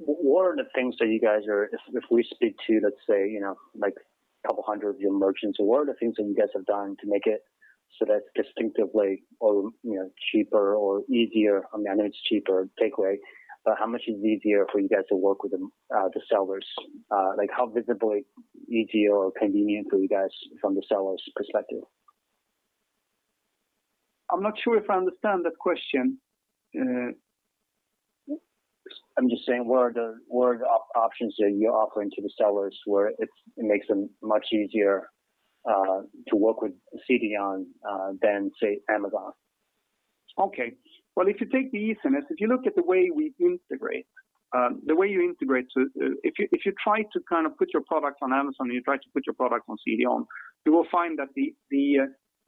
What are the things that you guys are, if we speak to, let's say, a couple hundred of your merchants, what are the things that you guys have done to make it so that it's distinctively cheaper or easier? I know it's cheaper takeaway, but how much is it easier for you guys to work with the sellers? How visibly easy or convenient are you guys from the seller's perspective? I'm not sure if I understand that question. I'm just saying, what are the options that you're offering to the sellers where it makes them much easier to work with CDON than, say, Amazon? Okay. Well, if you take the easiness, if you look at the way we integrate. If you try to put your product on Amazon, and you try to put your product on CDON, you will find that the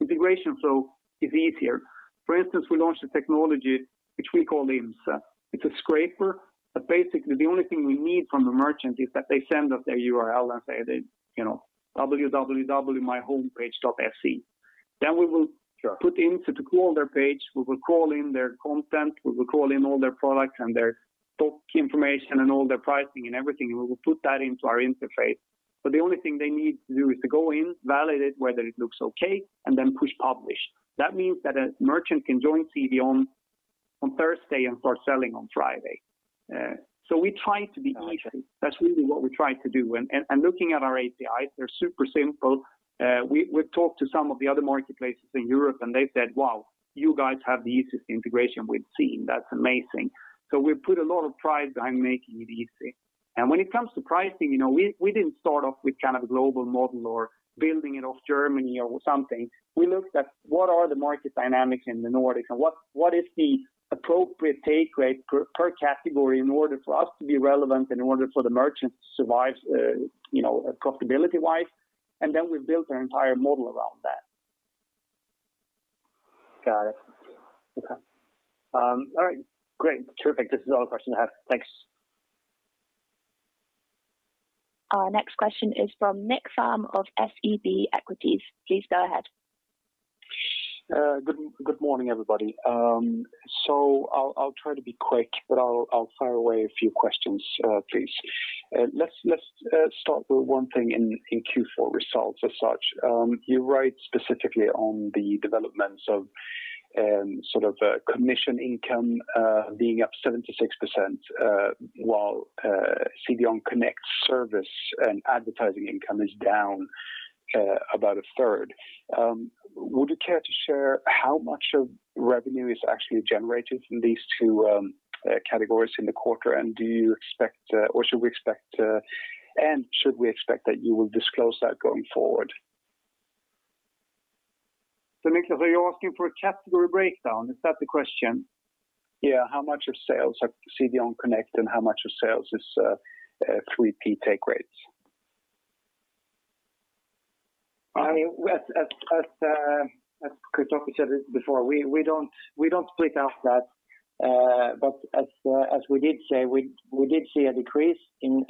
integration flow is easier. For instance, we launched a technology which we call Imza]. It's a scraper, but basically, the only thing we need from the merchant is that they send us their URL and say www.myhomepage.se. We will- Sure. Put into crawl their page, we will crawl in their content, we will crawl in all their products and their stock information and all their pricing and everything, and we will put that into our interface. The only thing they need to do is to go in, validate whether it looks okay, and then push publish. That means that a merchant can join CDON on Thursday and start selling on Friday. We try to be easy. Got it. That's really what we try to do. Looking at our APIs, they're super simple. We've talked to some of the other marketplaces in Europe, they said, "Wow, you guys have the easiest integration we've seen. That's amazing." We've put a lot of pride behind making it easy. When it comes to pricing, we didn't start off with kind of a global model or building it off Germany or something. We looked at what are the market dynamics in the Nordic and what is the appropriate take rate per category in order for us to be relevant in order for the merchant to survive profitability-wise. We built our entire model around that. Got it. Okay. All right. Great. Terrific. This is all the questions I have. Thanks. Our next question is from Nicklas Fhärm of SEB Equities. Please go ahead. Good morning, everybody. I'll try to be quick, but I'll fire away a few questions, please. Let's start with one thing in Q4 results as such. You write specifically on the developments of sort of commission income being up 76%, while CDON Connect service and advertising income is down about a third. Would you care to share how much of revenue is actually generated from these two categories in the quarter? Should we expect that you will disclose that going forward? Nick, are you asking for a category breakdown? Is that the question? Yeah. How much of sales are CDON Connect and how much of sales is 3P take rates? As Kristoffer said it before, we don't split out that. As we did say, we did see a decrease in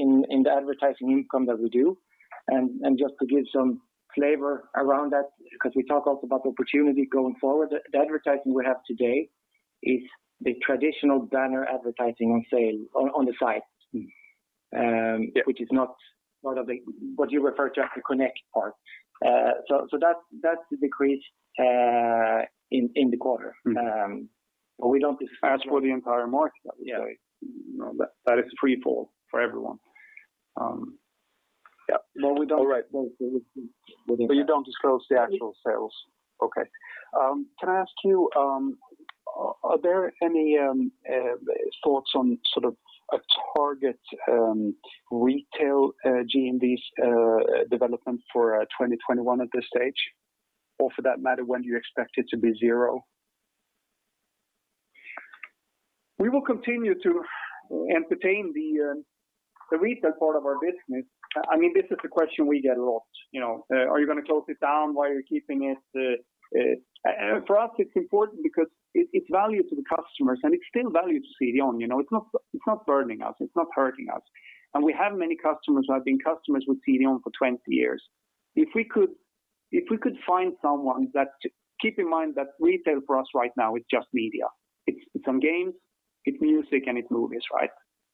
the advertising income that we do. Just to give some flavor around that, because we talk also about the opportunity going forward, the advertising we have today is the traditional banner advertising on sale on the site. Yeah. Which is not what you refer to as the Connect part. That's the decrease in the quarter. We don't disclose. As for the entire market, I would say. Yeah. That is a free-for everyone. Yeah. Well, we don't- All right. You don't disclose the actual sales. Okay. Can I ask you, are there any thoughts on sort of a target retail GMV development for 2021 at this stage? Or for that matter, when do you expect it to be zero? We will continue to entertain the retail part of our business. This is a question we get a lot. Are you going to close it down? Why are you keeping it? For us, it's important because it's value to the customers, and it's still value to CDON. It's not burning us. It's not hurting us. We have many customers who have been customers with CDON for 20 years. Keep in mind that retail for us right now is just media. It's some games, it's music, and it's movies.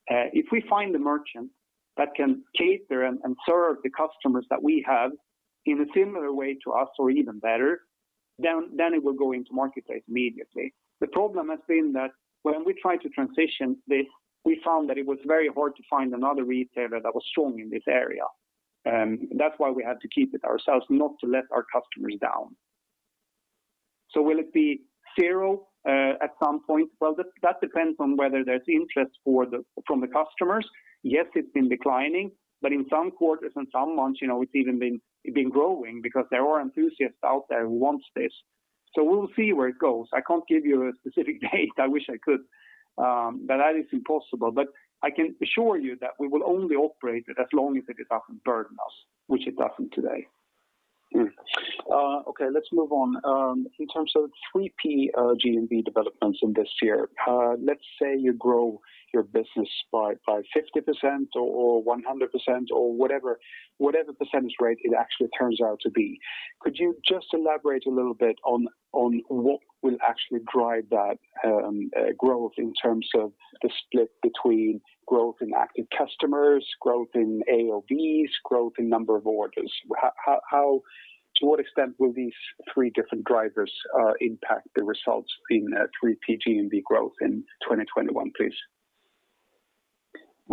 If we find a merchant that can cater and serve the customers that we have in a similar way to us or even better, then it will go into marketplace immediately. The problem has been that when we try to transition this, we found that it was very hard to find another retailer that was strong in this area. That's why we had to keep it ourselves, not to let our customers down. Will it be zero at some point? That depends on whether there's interest from the customers. It's been declining, but in some quarters and some months, it's even been growing because there are enthusiasts out there who want this. We'll see where it goes. I can't give you a specific date. I wish I could, but that is impossible. I can assure you that we will only operate it as long as it doesn't burden us, which it doesn't today. Okay. Let's move on. In terms of 3P GMV developments in this year, let's say you grow your business by 50% or 100% or whatever percentage rate it actually turns out to be. Could you just elaborate a little bit on what will actually drive that growth in terms of the split between growth in active customers, growth in AOV, growth in number of orders? To what extent will these three different drivers impact the results in 3P GMV growth in 2021, please?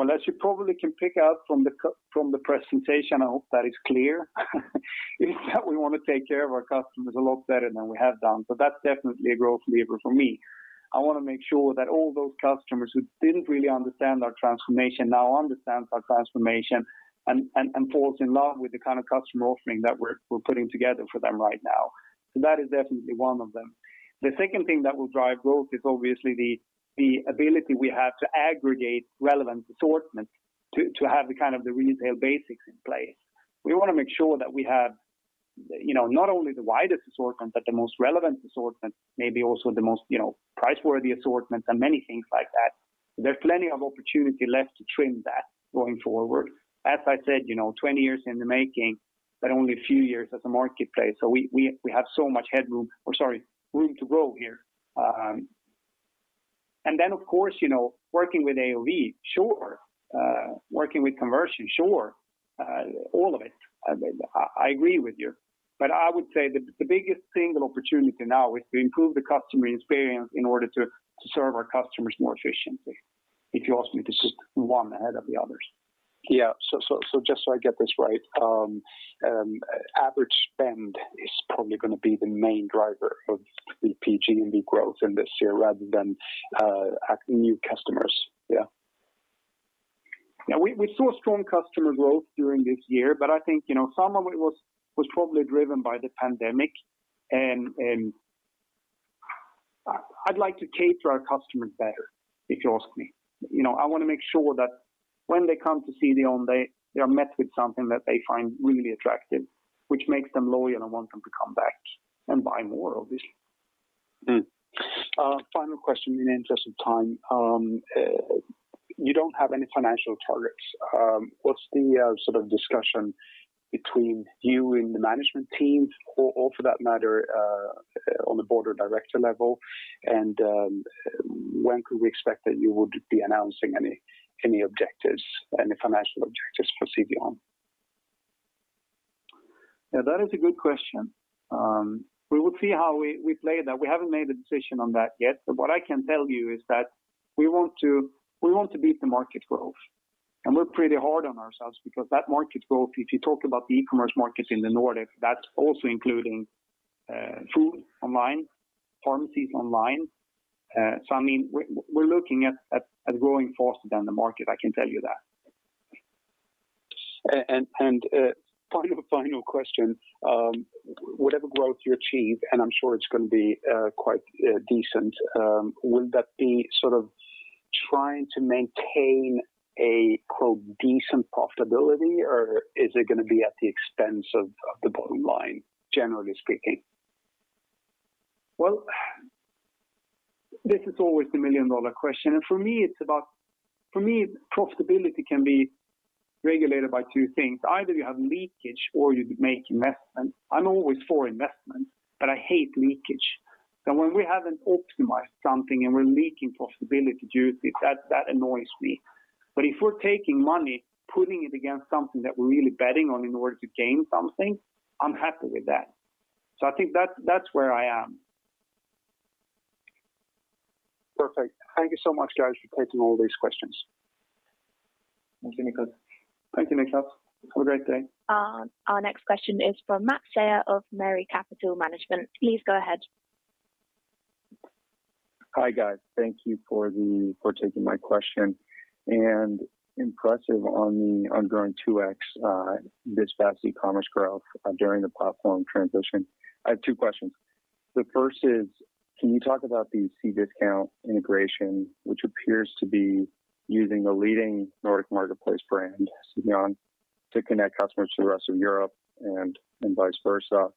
As you probably can pick out from the presentation, I hope that is clear, is that we want to take care of our customers a lot better than we have done. That's definitely a growth lever for me. I want to make sure that all those customers who didn't really understand our transformation now understand our transformation and falls in love with the kind of customer offering that we're putting together for them right now. That is definitely one of them. The second thing that will drive growth is obviously the ability we have to aggregate relevant assortment to have the kind of the retail basics in place. We want to make sure that we have not only the widest assortment, but the most relevant assortment, maybe also the most price-worthy assortment and many things like that. There's plenty of opportunity left to trim that going forward. As I said, 20 years in the making, only a few years as a marketplace, we have so much headroom, or sorry, room to grow here. Of course, working with AOV, sure. Working with conversion, sure. All of it. I agree with you. I would say that the biggest single opportunity now is to improve the customer experience in order to serve our customers more efficiently, if you ask me to put one ahead of the others. Yeah. Just so I get this right, average spend is probably going to be the main driver of the GMV growth in this year rather than new customers. Yeah? We saw strong customer growth during this year. I think some of it was probably driven by the pandemic. I'd like to cater our customers better, if you ask me. I want to make sure that when they come to CDON, they are met with something that they find really attractive, which makes them loyal and want them to come back and buy more, obviously. Final question, in the interest of time. You don't have any financial targets. What's the sort of discussion between you and the management team or for that matter, on the board or director level, and when could we expect that you would be announcing any objectives, any financial objectives for CDON? Yeah, that is a good question. We will see how we play that. We haven't made a decision on that yet. What I can tell you is that we want to beat the market growth, and we're pretty hard on ourselves because that market growth, if you talk about the e-commerce markets in the Nordic, that's also including food online, pharmacies online. I mean, we're looking at growing faster than the market, I can tell you that. Kind of a final question. Whatever growth you achieve, and I'm sure it's going to be quite decent, will that be sort of trying to maintain a, quote, "decent profitability," or is it going to be at the expense of the bottom line, generally speaking? Well, this is always the million-dollar question. For me, profitability can be regulated by two things. Either you have leakage or you make investments. I'm always for investments, but I hate leakage. When we haven't optimized something and we're leaking profitability due to it, that annoys me. If we're taking money, putting it against something that we're really betting on in order to gain something, I'm happy with that. I think that's where I am. Perfect. Thank you so much, guys, for taking all these questions. Thank you, Nicklas. Have a great day. Our next question is from [Matt Sayar] of Mary Capital Management. Please go ahead. Hi, guys. Thank you for taking my question. Impressive on growing 2X this fast e-commerce growth during the platform transition. I have two questions. The first is, can you talk about the Cdiscount integration, which appears to be using the leading Nordic marketplace brand, CDON, to connect customers to the rest of Europe and vice versa?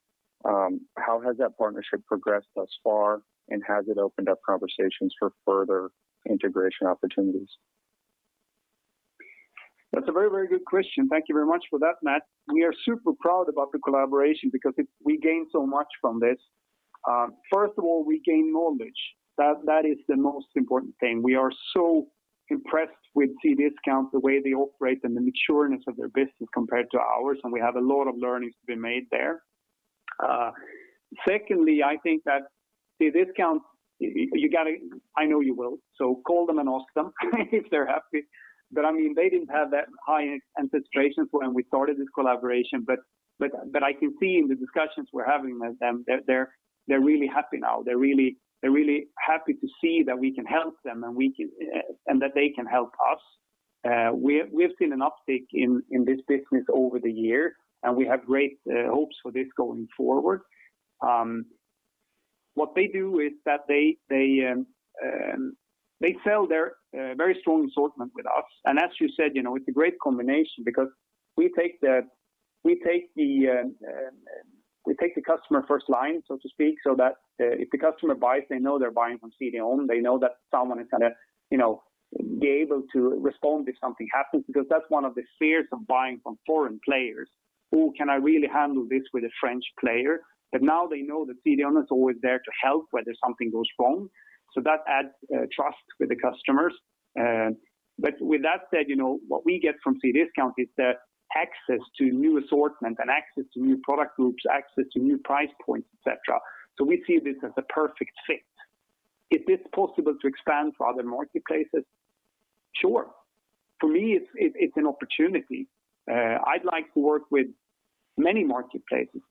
How has that partnership progressed thus far, and has it opened up conversations for further integration opportunities? That's a very good question. Thank you very much for that, Matt. We are super proud about the collaboration because we gain so much from this. First of all, we gain knowledge. That is the most important thing. We are so impressed with Cdiscount, the way they operate, and the matureness of their business compared to ours, and we have a lot of learnings to be made there. Secondly, I think that Cdiscount, I know you will, so call them and ask them if they're happy. They didn't have that high anticipation when we started this collaboration. I can see in the discussions we're having with them, they're really happy now. They're really happy to see that we can help them and that they can help us. We've seen an uptick in this business over the year, and we have great hopes for this going forward. What they do is that they sell their very strong assortment with us. As you said, it's a great combination because we take the customer first line, so to speak, so that if the customer buys, they know they're buying from CDON. They know that someone is going to be able to respond if something happens, because that's one of the fears of buying from foreign players. Oh, can I really handle this with a French player. Now they know that CDON is always there to help when something goes wrong. That adds trust with the customers. With that said, what we get from Cdiscount is the access to new assortment and access to new product groups, access to new price points, et cetera. We see this as a perfect fit. Is this possible to expand to other marketplaces? Sure. For me, it's an opportunity. I'd like to work with many marketplaces.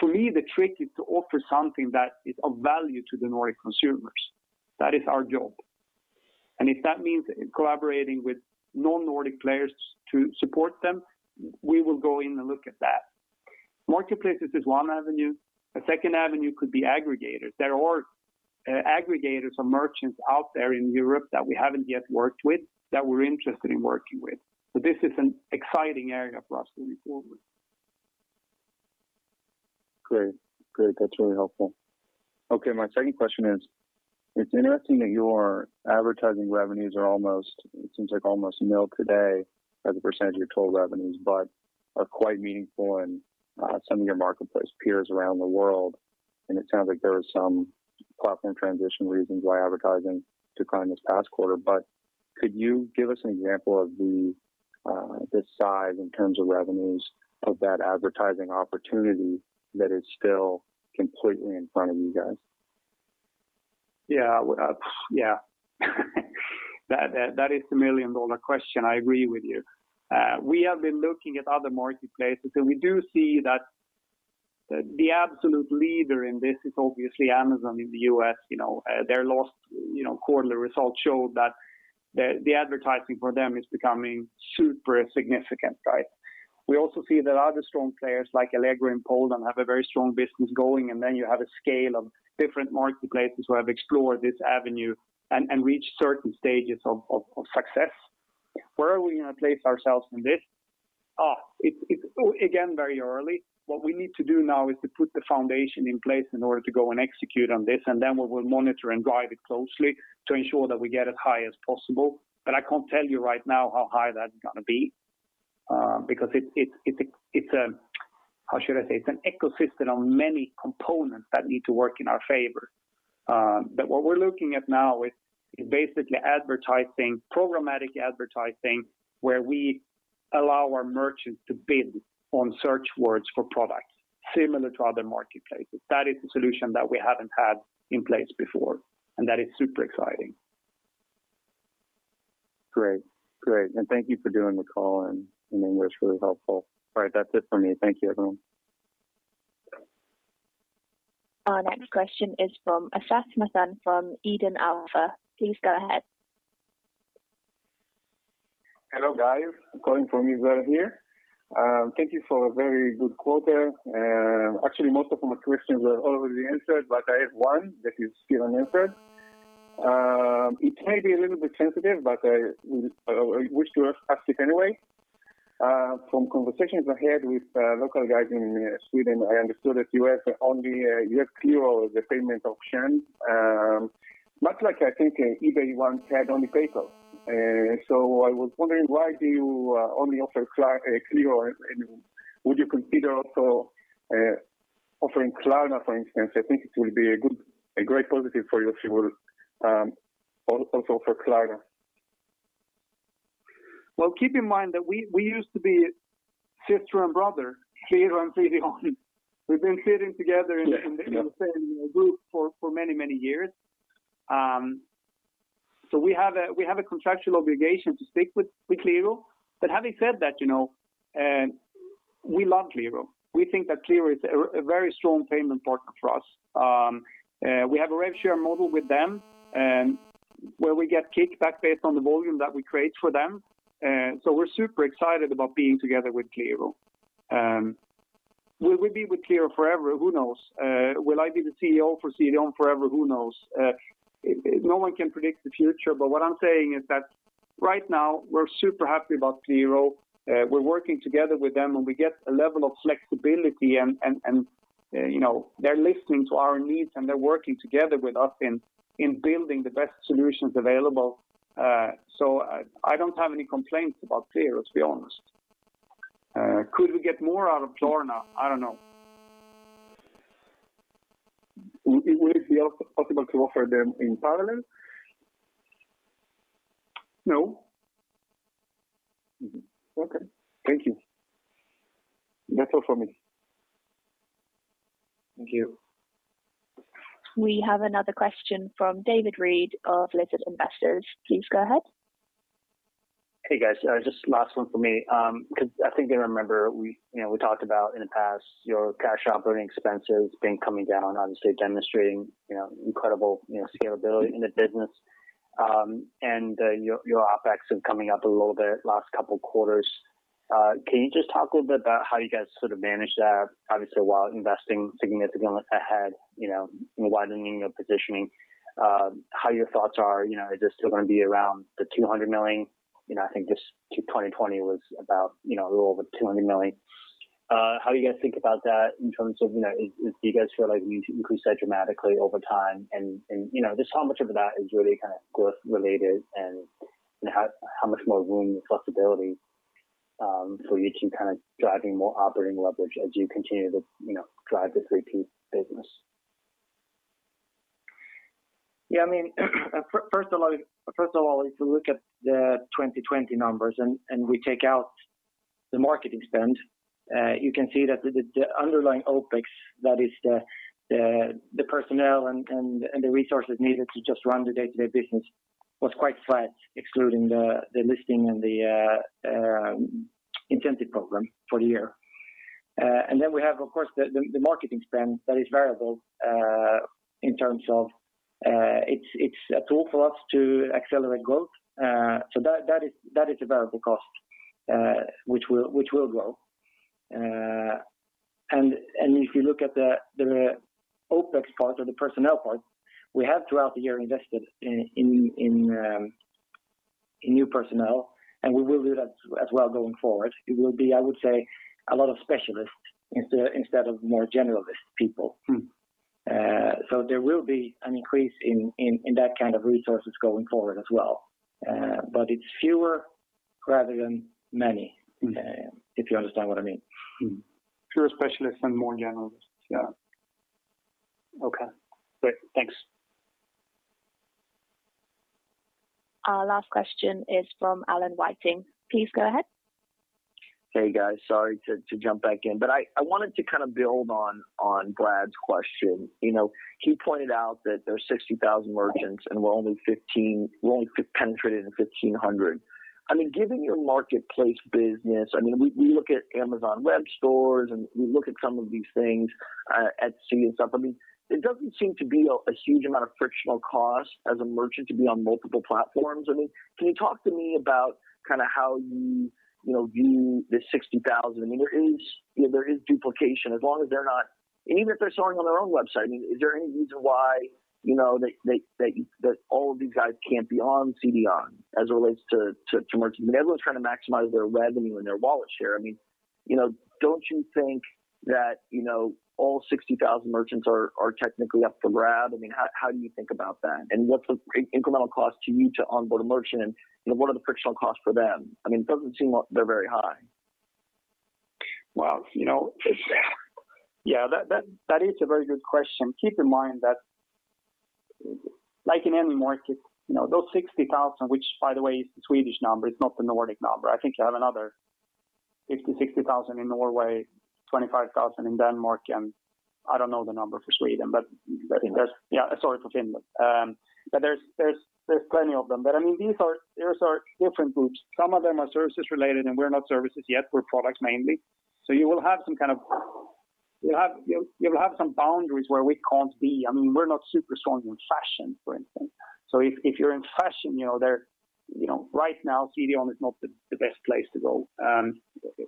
For me, the trick is to offer something that is of value to the Nordic consumers. That is our job. If that means collaborating with non-Nordic players to support them, we will go in and look at that. Marketplaces is one avenue. A second avenue could be aggregators. There are aggregators or merchants out there in Europe that we haven't yet worked with that we're interested in working with. This is an exciting area for us moving forward. Great. That's really helpful. Okay, my second question is, it's interesting that your advertising revenues are almost, it seems like almost nil today as a percentage of your total revenues, but are quite meaningful in some of your marketplace peers around the world. It sounds like there are some platform transition reasons why advertising declined this past quarter. Could you give us an example of the size in terms of revenues of that advertising opportunity that is still completely in front of you guys? Yeah. That is the million-dollar question, I agree with you. We have been looking at other marketplaces, and we do see that the absolute leader in this is obviously Amazon in the U.S. Their last quarterly results show that the advertising for them is becoming super significant. We also see that other strong players like Allegro in Poland have a very strong business going, and then you have a scale of different marketplaces who have explored this avenue and reached certain stages of success. Where are we going to place ourselves in this? It's, again, very early. What we need to do now is to put the foundation in place in order to go and execute on this, and then we will monitor and guide it closely to ensure that we get as high as possible. I can't tell you right now how high that's going to be, because it's a, how should I say, an ecosystem of many components that need to work in our favor. What we're looking at now is basically programmatic advertising, where we allow our merchants to bid on search words for products similar to other marketplaces. That is the solution that we haven't had in place before, and that is super exciting. Great. Thank you for doing the call, and it was really helpful. All right, that's it for me. Thank you, everyone. Our next question is from Assaf Nathan from Eden Alpha. Please go ahead. Hello, guys. Calling from Israel here. Thank you for a very good quarter. Actually, most of my questions were already answered, but I have one that is still unanswered. It may be a little bit sensitive, but I wish to ask it anyway. From conversations I had with local guys in Sweden, I understood that you have Qliro as a payment option, much like I think eBay once had only PayPal. I was wondering, why do you only offer Qliro, and would you consider also offering Klarna, for instance? I think it will be a great positive for you if you will also offer Klarna. Keep in mind that we used to be sister and brother, Qliro and CDON. We've been sitting together- Yeah. ...in the same group for many years. We have a contractual obligation to stick with Qliro. Having said that, we love Qliro. We think that Qliro is a very strong payment partner for us. We have a rev share model with them, where we get kickback based on the volume that we create for them. We're super excited about being together with Qliro. Will we be with Qliro forever? Who knows. Will I be the CEO for CDON forever? Who knows. No one can predict the future. What I'm saying is that right now, we're super happy about Qliro. We're working together with them, and we get a level of flexibility. They're listening to our needs, and they're working together with us in building the best solutions available. I don't have any complaints about Qliro, to be honest. Could we get more out of Qliro? I don't know. Would it be possible to offer them in parallel? No. Okay. Thank you. That's all from me. Thank you. We have another question from David Reed of Lizard Investors. Please go ahead. Hey, guys. Just last one from me. I think I remember we talked about in the past your cash operating expenses been coming down, obviously demonstrating incredible scalability in the business. Your OpEx is coming up a little bit last couple quarters. Can you just talk a little bit about how you guys sort of manage that, obviously, while investing significantly ahead, widening your positioning, how your thoughts are, is this still going to be around 200 million? I think just 2020 was about a little over 200 million. How do you guys think about that in terms of, do you guys feel like you need to increase that dramatically over time? Just how much of that is really kind of growth related, and how much more room and flexibility for you to keep driving more operating leverage as you continue to drive this repeat business? Yeah, first of all, if you look at the 2020 numbers and we take out the marketing spend, you can see that the underlying OPEX, that is the personnel and the resources needed to just run the day-to-day business was quite flat, excluding the listing and the incentive program for the year. We have, of course, the marketing spend that is variable in terms of it's a tool for us to accelerate growth. That is a variable cost which will grow. If you look at the OPEX part or the personnel part, we have throughout the year invested in new personnel, and we will do that as well going forward. It will be, I would say, a lot of specialists instead of more generalist people. There will be an increase in that kind of resources going forward as well. It's fewer rather than many. If you understand what I mean. Fewer specialists and more generalists. Yeah. Okay, great. Thanks. Our last question is from Adam Wyden. Please go ahead. Hey, guys. Sorry to jump back in, but I wanted to kind of build on Brad's question. He pointed out that there are 60,000 merchants and we're only penetrated in 1,500. Given your marketplace business, we look at Amazon Webstore, and we look at some of these things, Etsy and stuff, it doesn't seem to be a huge amount of frictional cost as a merchant to be on multiple platforms. Can you talk to me about how you view the 60,000? There is duplication. Even if they're selling on their own website, is there any reason why that all of these guys can't be on CDON as it relates to merchants? Everyone's trying to maximize their revenue and their wallet share. Don't you think that all 60,000 merchants are technically up for grab? How do you think about that? What's the incremental cost to you to onboard a merchant, and what are the frictional costs for them? It doesn't seem like they're very high. Wow. Yeah, that is a very good question. Keep in mind that like in any market, those 60,000, which by the way is the Swedish number, it's not the Nordic number. I think you have another 50,000, 60,000 in Norway, 25,000 in Denmark, and I don't know the number for Sweden. Finland. Yeah, sorry, for Finland. There's plenty of them. These are different groups. Some of them are services related, and we're not services yet. We're products mainly. You will have some boundaries where we can't be. We're not super strong on fashion, for instance. If you're in fashion, right now, CDON is not the best place to go.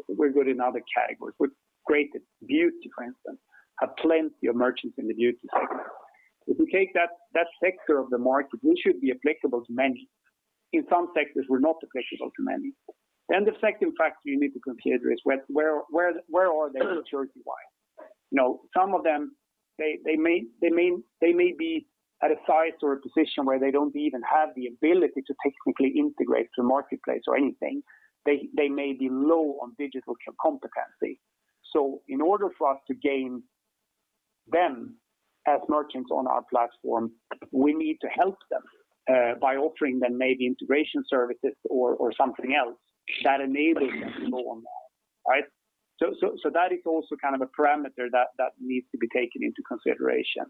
We're good in other categories. We're great at beauty, for instance, have plenty of merchants in the beauty sector. If we take that sector of the market, we should be applicable to many. In some sectors, we're not applicable to many. The second factor you need to consider is where are they maturity wise? Some of them, they may be at a size or a position where they don't even have the ability to technically integrate to marketplace or anything. They may be low on digital competency. In order for us to gain them as merchants on our platform, we need to help them by offering them maybe integration services or something else that enables them more and more, right? That is also kind of a parameter that needs to be taken into consideration.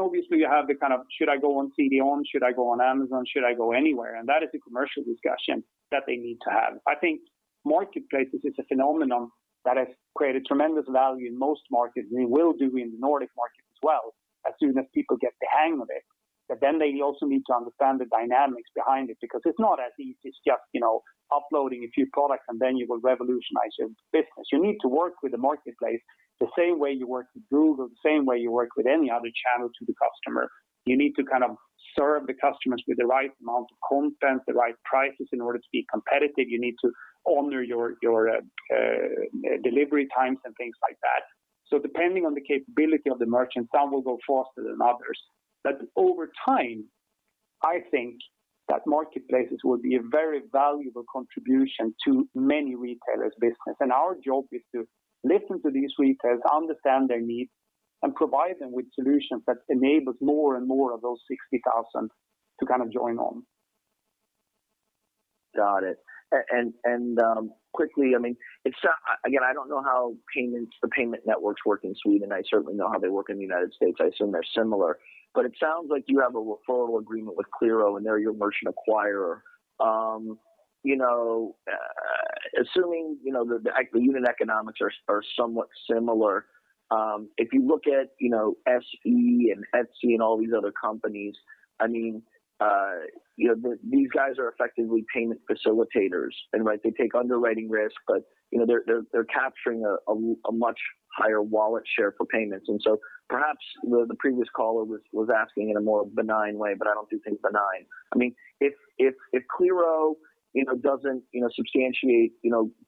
Obviously you have the kind of, should I go on CDON? Should I go on Amazon? Should I go anywhere? That is a commercial discussion that they need to have. I think marketplaces is a phenomenon that has created tremendous value in most markets, and it will do in the Nordic market as well as soon as people get the hang of it. They also need to understand the dynamics behind it, because it's not as easy as just uploading a few products and then you will revolutionize your business. You need to work with the marketplace the same way you work with Google, the same way you work with any other channel to the customer. You need to kind of serve the customers with the right amount of content, the right prices in order to be competitive. You need to honor your delivery times and things like that. Depending on the capability of the merchant, some will go faster than others. Over time, I think that marketplaces will be a very valuable contribution to many retailers' business. Our job is to listen to these retailers, understand their needs, and provide them with solutions that enables more and more of those 60,000 to join on. Got it. Quickly, again, I don't know how the payment networks work in Sweden. I certainly know how they work in the United States. I assume they're similar. It sounds like you have a referral agreement with Qliro and they're your merchant acquirer. Assuming the unit economics are somewhat similar, if you look at Sea and Etsy and all these other companies, these guys are effectively payment facilitators and they take underwriting risk, but they're capturing a much higher wallet share for payments. Perhaps the previous caller was asking in a more benign way, but I don't do things benign. If Qliro doesn't substantiate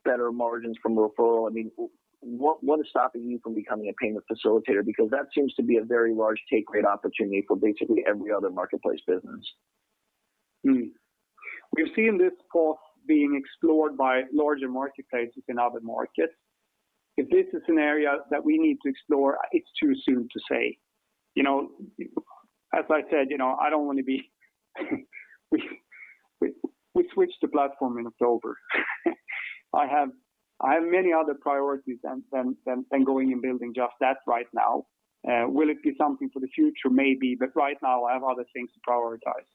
better margins from referral, what is stopping you from becoming a payment facilitator? That seems to be a very large take rate opportunity for basically every other marketplace business. We've seen this path being explored by larger marketplaces in other markets. If this is an area that we need to explore, it's too soon to say. As I said, we switched the platform in October. I have many other priorities than going and building just that right now. Will it be something for the future? Maybe, but right now, I have other things to prioritize.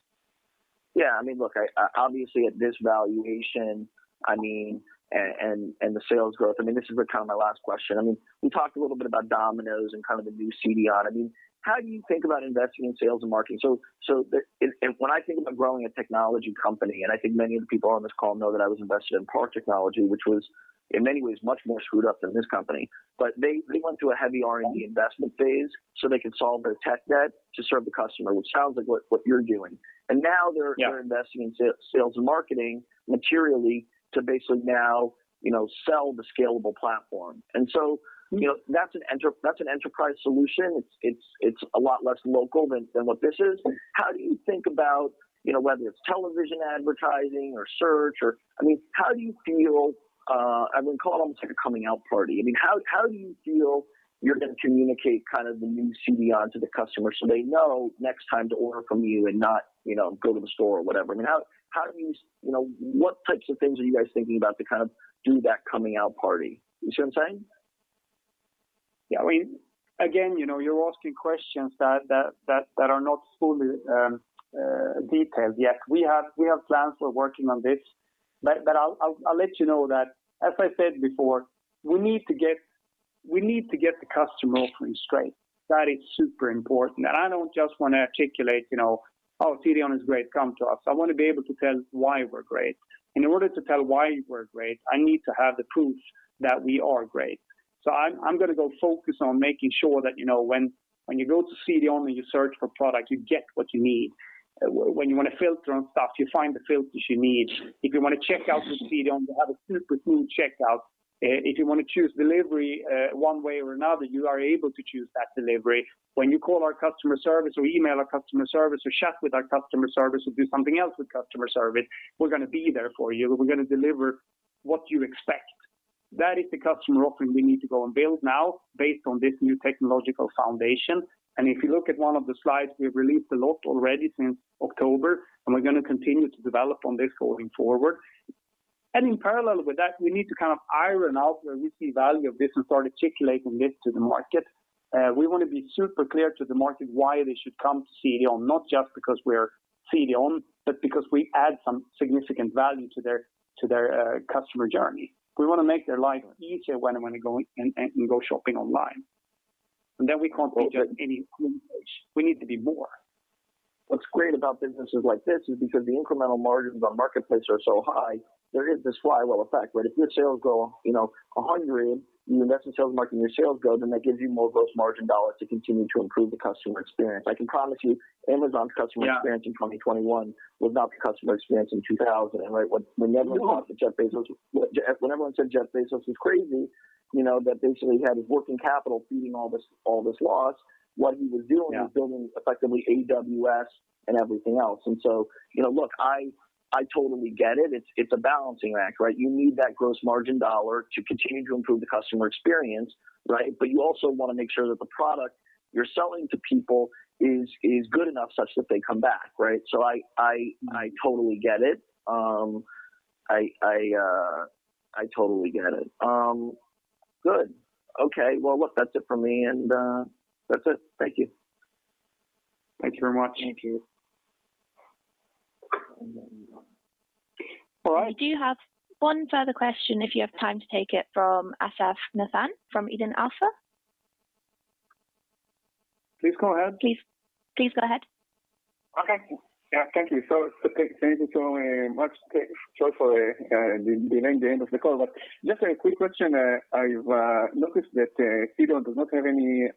Yeah. Look, obviously at this valuation and the sales growth, this is kind of my last question. We talked a little bit about Domino's and kind of the new CDON. How do you think about investing in sales and marketing? When I think about growing a technology company, and I think many of the people on this call know that I was invested in PAR Technology, which was in many ways, much more screwed up than this company. They went through a heavy R&D investment phase so they could solve their tech debt to serve the customer, which sounds like what you're doing. Yeah. Investing in sales and marketing materially to basically now sell the scalable platform. That's an enterprise solution. It's a lot less local than what this is. How do you think about whether it's television advertising or search or how do you feel, I call it almost like a coming out party. How do you feel you're going to communicate the new CDON to the customer so they know next time to order from you and not go to the store or whatever? What types of things are you guys thinking about to kind of do that coming out party? You see what I'm saying? Again, you're asking questions that are not fully detailed yet. We have plans for working on this, but I'll let you know that, as I said before, we need to get the customer offering straight. That is super important. I don't just want to articulate, "Oh, CDON is great. Come to us." I want to be able to tell why we're great. In order to tell why we're great, I need to have the proof that we are great. I'm going to go focus on making sure that when you go to CDON and you search for product, you get what you need. When you want to filter and stuff, you find the filters you need. If you want to check out with CDON, we have a super cool checkout. If you want to choose delivery one way or another, you are able to choose that delivery. When you call our customer service, or email our customer service, or chat with our customer service, or do something else with customer service, we're going to be there for you. We're going to deliver what you expect. That is the customer offering we need to go and build now based on this new technological foundation. If you look at one of the slides, we've released a lot already since October, and we're going to continue to develop on this going forward. In parallel with that, we need to kind of iron out where we see value of this and start articulating this to the market. We want to be super clear to the market why they should come to CDON, not just because we're CDON, but because we add some significant value to their customer journey. We want to make their life easier when they go in and go shopping online. We can't be just any. We need to be more. What's great about businesses like this is because the incremental margins on marketplace are so high, there is this flywheel effect where if your sales go 100, you invest in sales and marketing, that gives you more gross margin dollars to continue to improve the customer experience. I can promise you Amazon's customer experience- Yeah. ...in 2021 will not be customer experience in 2000, right? No. When everyone said Jeff Bezos was crazy, that basically he had his working capital feeding all this loss. Yeah. Was building effectively AWS and everything else. Look, I totally get it. It's a balancing act, right? You need that gross margin dollar to continue to improve the customer experience, right? You also want to make sure that the product you're selling to people is good enough such that they come back, right? I totally get it. Good. Okay. Well, look, that's it for me. That's it. Thank you. Thank you very much. Thank you. All right. We do have one further question, if you have time to take it from Assaf Nathan from Eden Alpha. Please go ahead. Please go ahead. Okay. Yeah. Thank you. Thank you so much. Sorry for delaying the end of the call, just a quick question. I've noticed that CDON does not have any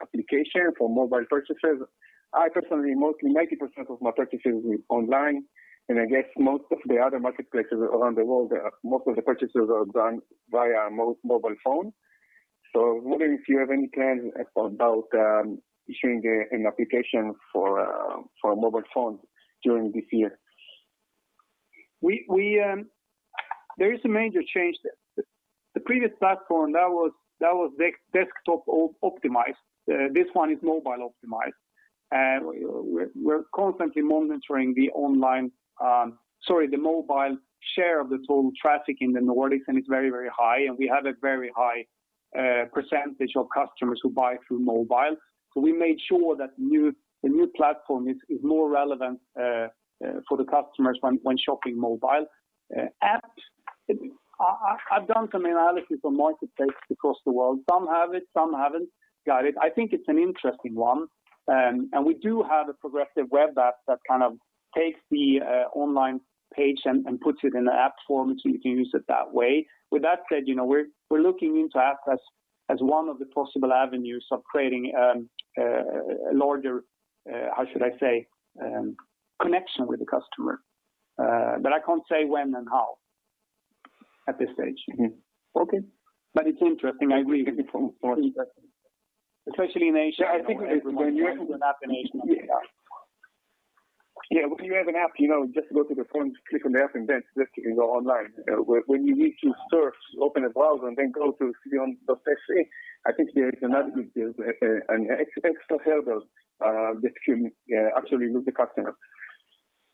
application for mobile purchases. I personally, mostly 90% of my purchases online, I guess most of the other marketplaces around the world, most of the purchases are done via mobile phone. I was wondering if you have any plans about issuing an application for mobile phones during this year. There is a major change there. The previous platform, that was desktop optimized. This one is mobile optimized, and we're constantly monitoring the mobile share of the total traffic in the Nordics, and it's very high, and we have a very high percentage of customers who buy through mobile. We made sure that the new platform is more relevant for the customers when shopping mobile. Apps, I've done some analysis on marketplaces across the world. Some have it, some haven't got it. I think it's an interesting one, and we do have a progressive web app that kind of takes the online page and puts it in an app form, so you can use it that way. With that said, we're looking into apps as one of the possible avenues of creating a larger, how should I say, connection with the customer. I can't say when and how at this stage. Okay. It's interesting, I agree. Yeah. Especially in Asia. Yeah, I think. When you have an app in Asia. Yeah. When you have an app, just go to the phone, click on the app, and then just you can go online. When you need to surf, open a browser, and then go to cdon.se, I think there is an extra hurdle that you actually lose the customer.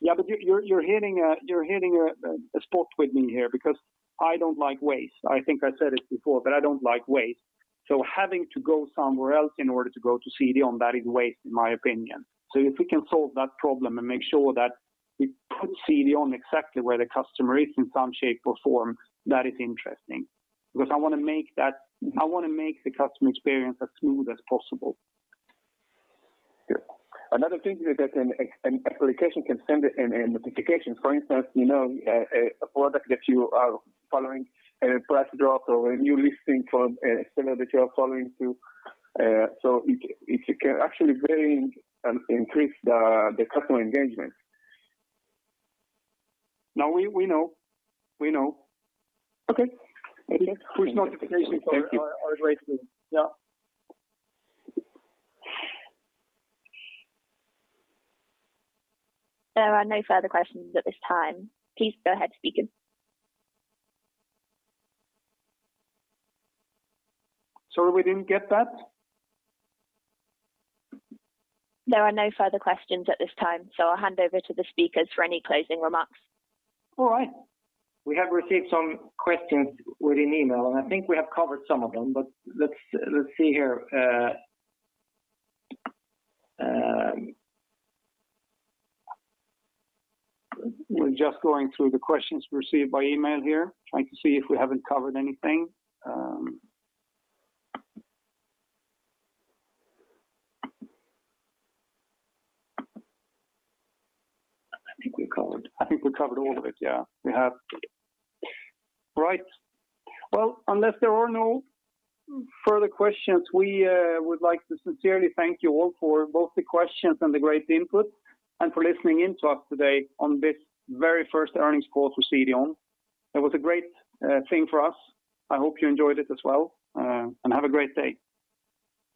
You're hitting a spot with me here because I don't like waste. I think I said it before, I don't like waste. Having to go somewhere else in order to go to CDON, that is waste in my opinion. If we can solve that problem and make sure that we put CDON exactly where the customer is in some shape or form, that is interesting. I want to make the customer experience as smooth as possible. Yeah. Another thing is that an application can send a notification. For instance, a product that you are following, a price drop or a new listing from a seller that you are following too. It can actually very increase the customer engagement. No, we know. Okay. Push notifications are great too. Yeah. There are no further questions at this time. Please go ahead, speakers. Sorry, we didn't get that? There are no further questions at this time, so I'll hand over to the speakers for any closing remarks. All right. We have received some questions within email, and I think we have covered some of them, but let's see here. We are just going through the questions received by email here, trying to see if we haven't covered anything. I think we covered- I think we covered all of it, yeah. We have. Right. Well, unless there are no further questions, we would like to sincerely thank you all for both the questions and the great input, and for listening in to us today on this very first earnings call for CDON. It was a great thing for us. I hope you enjoyed it as well, and have a great day.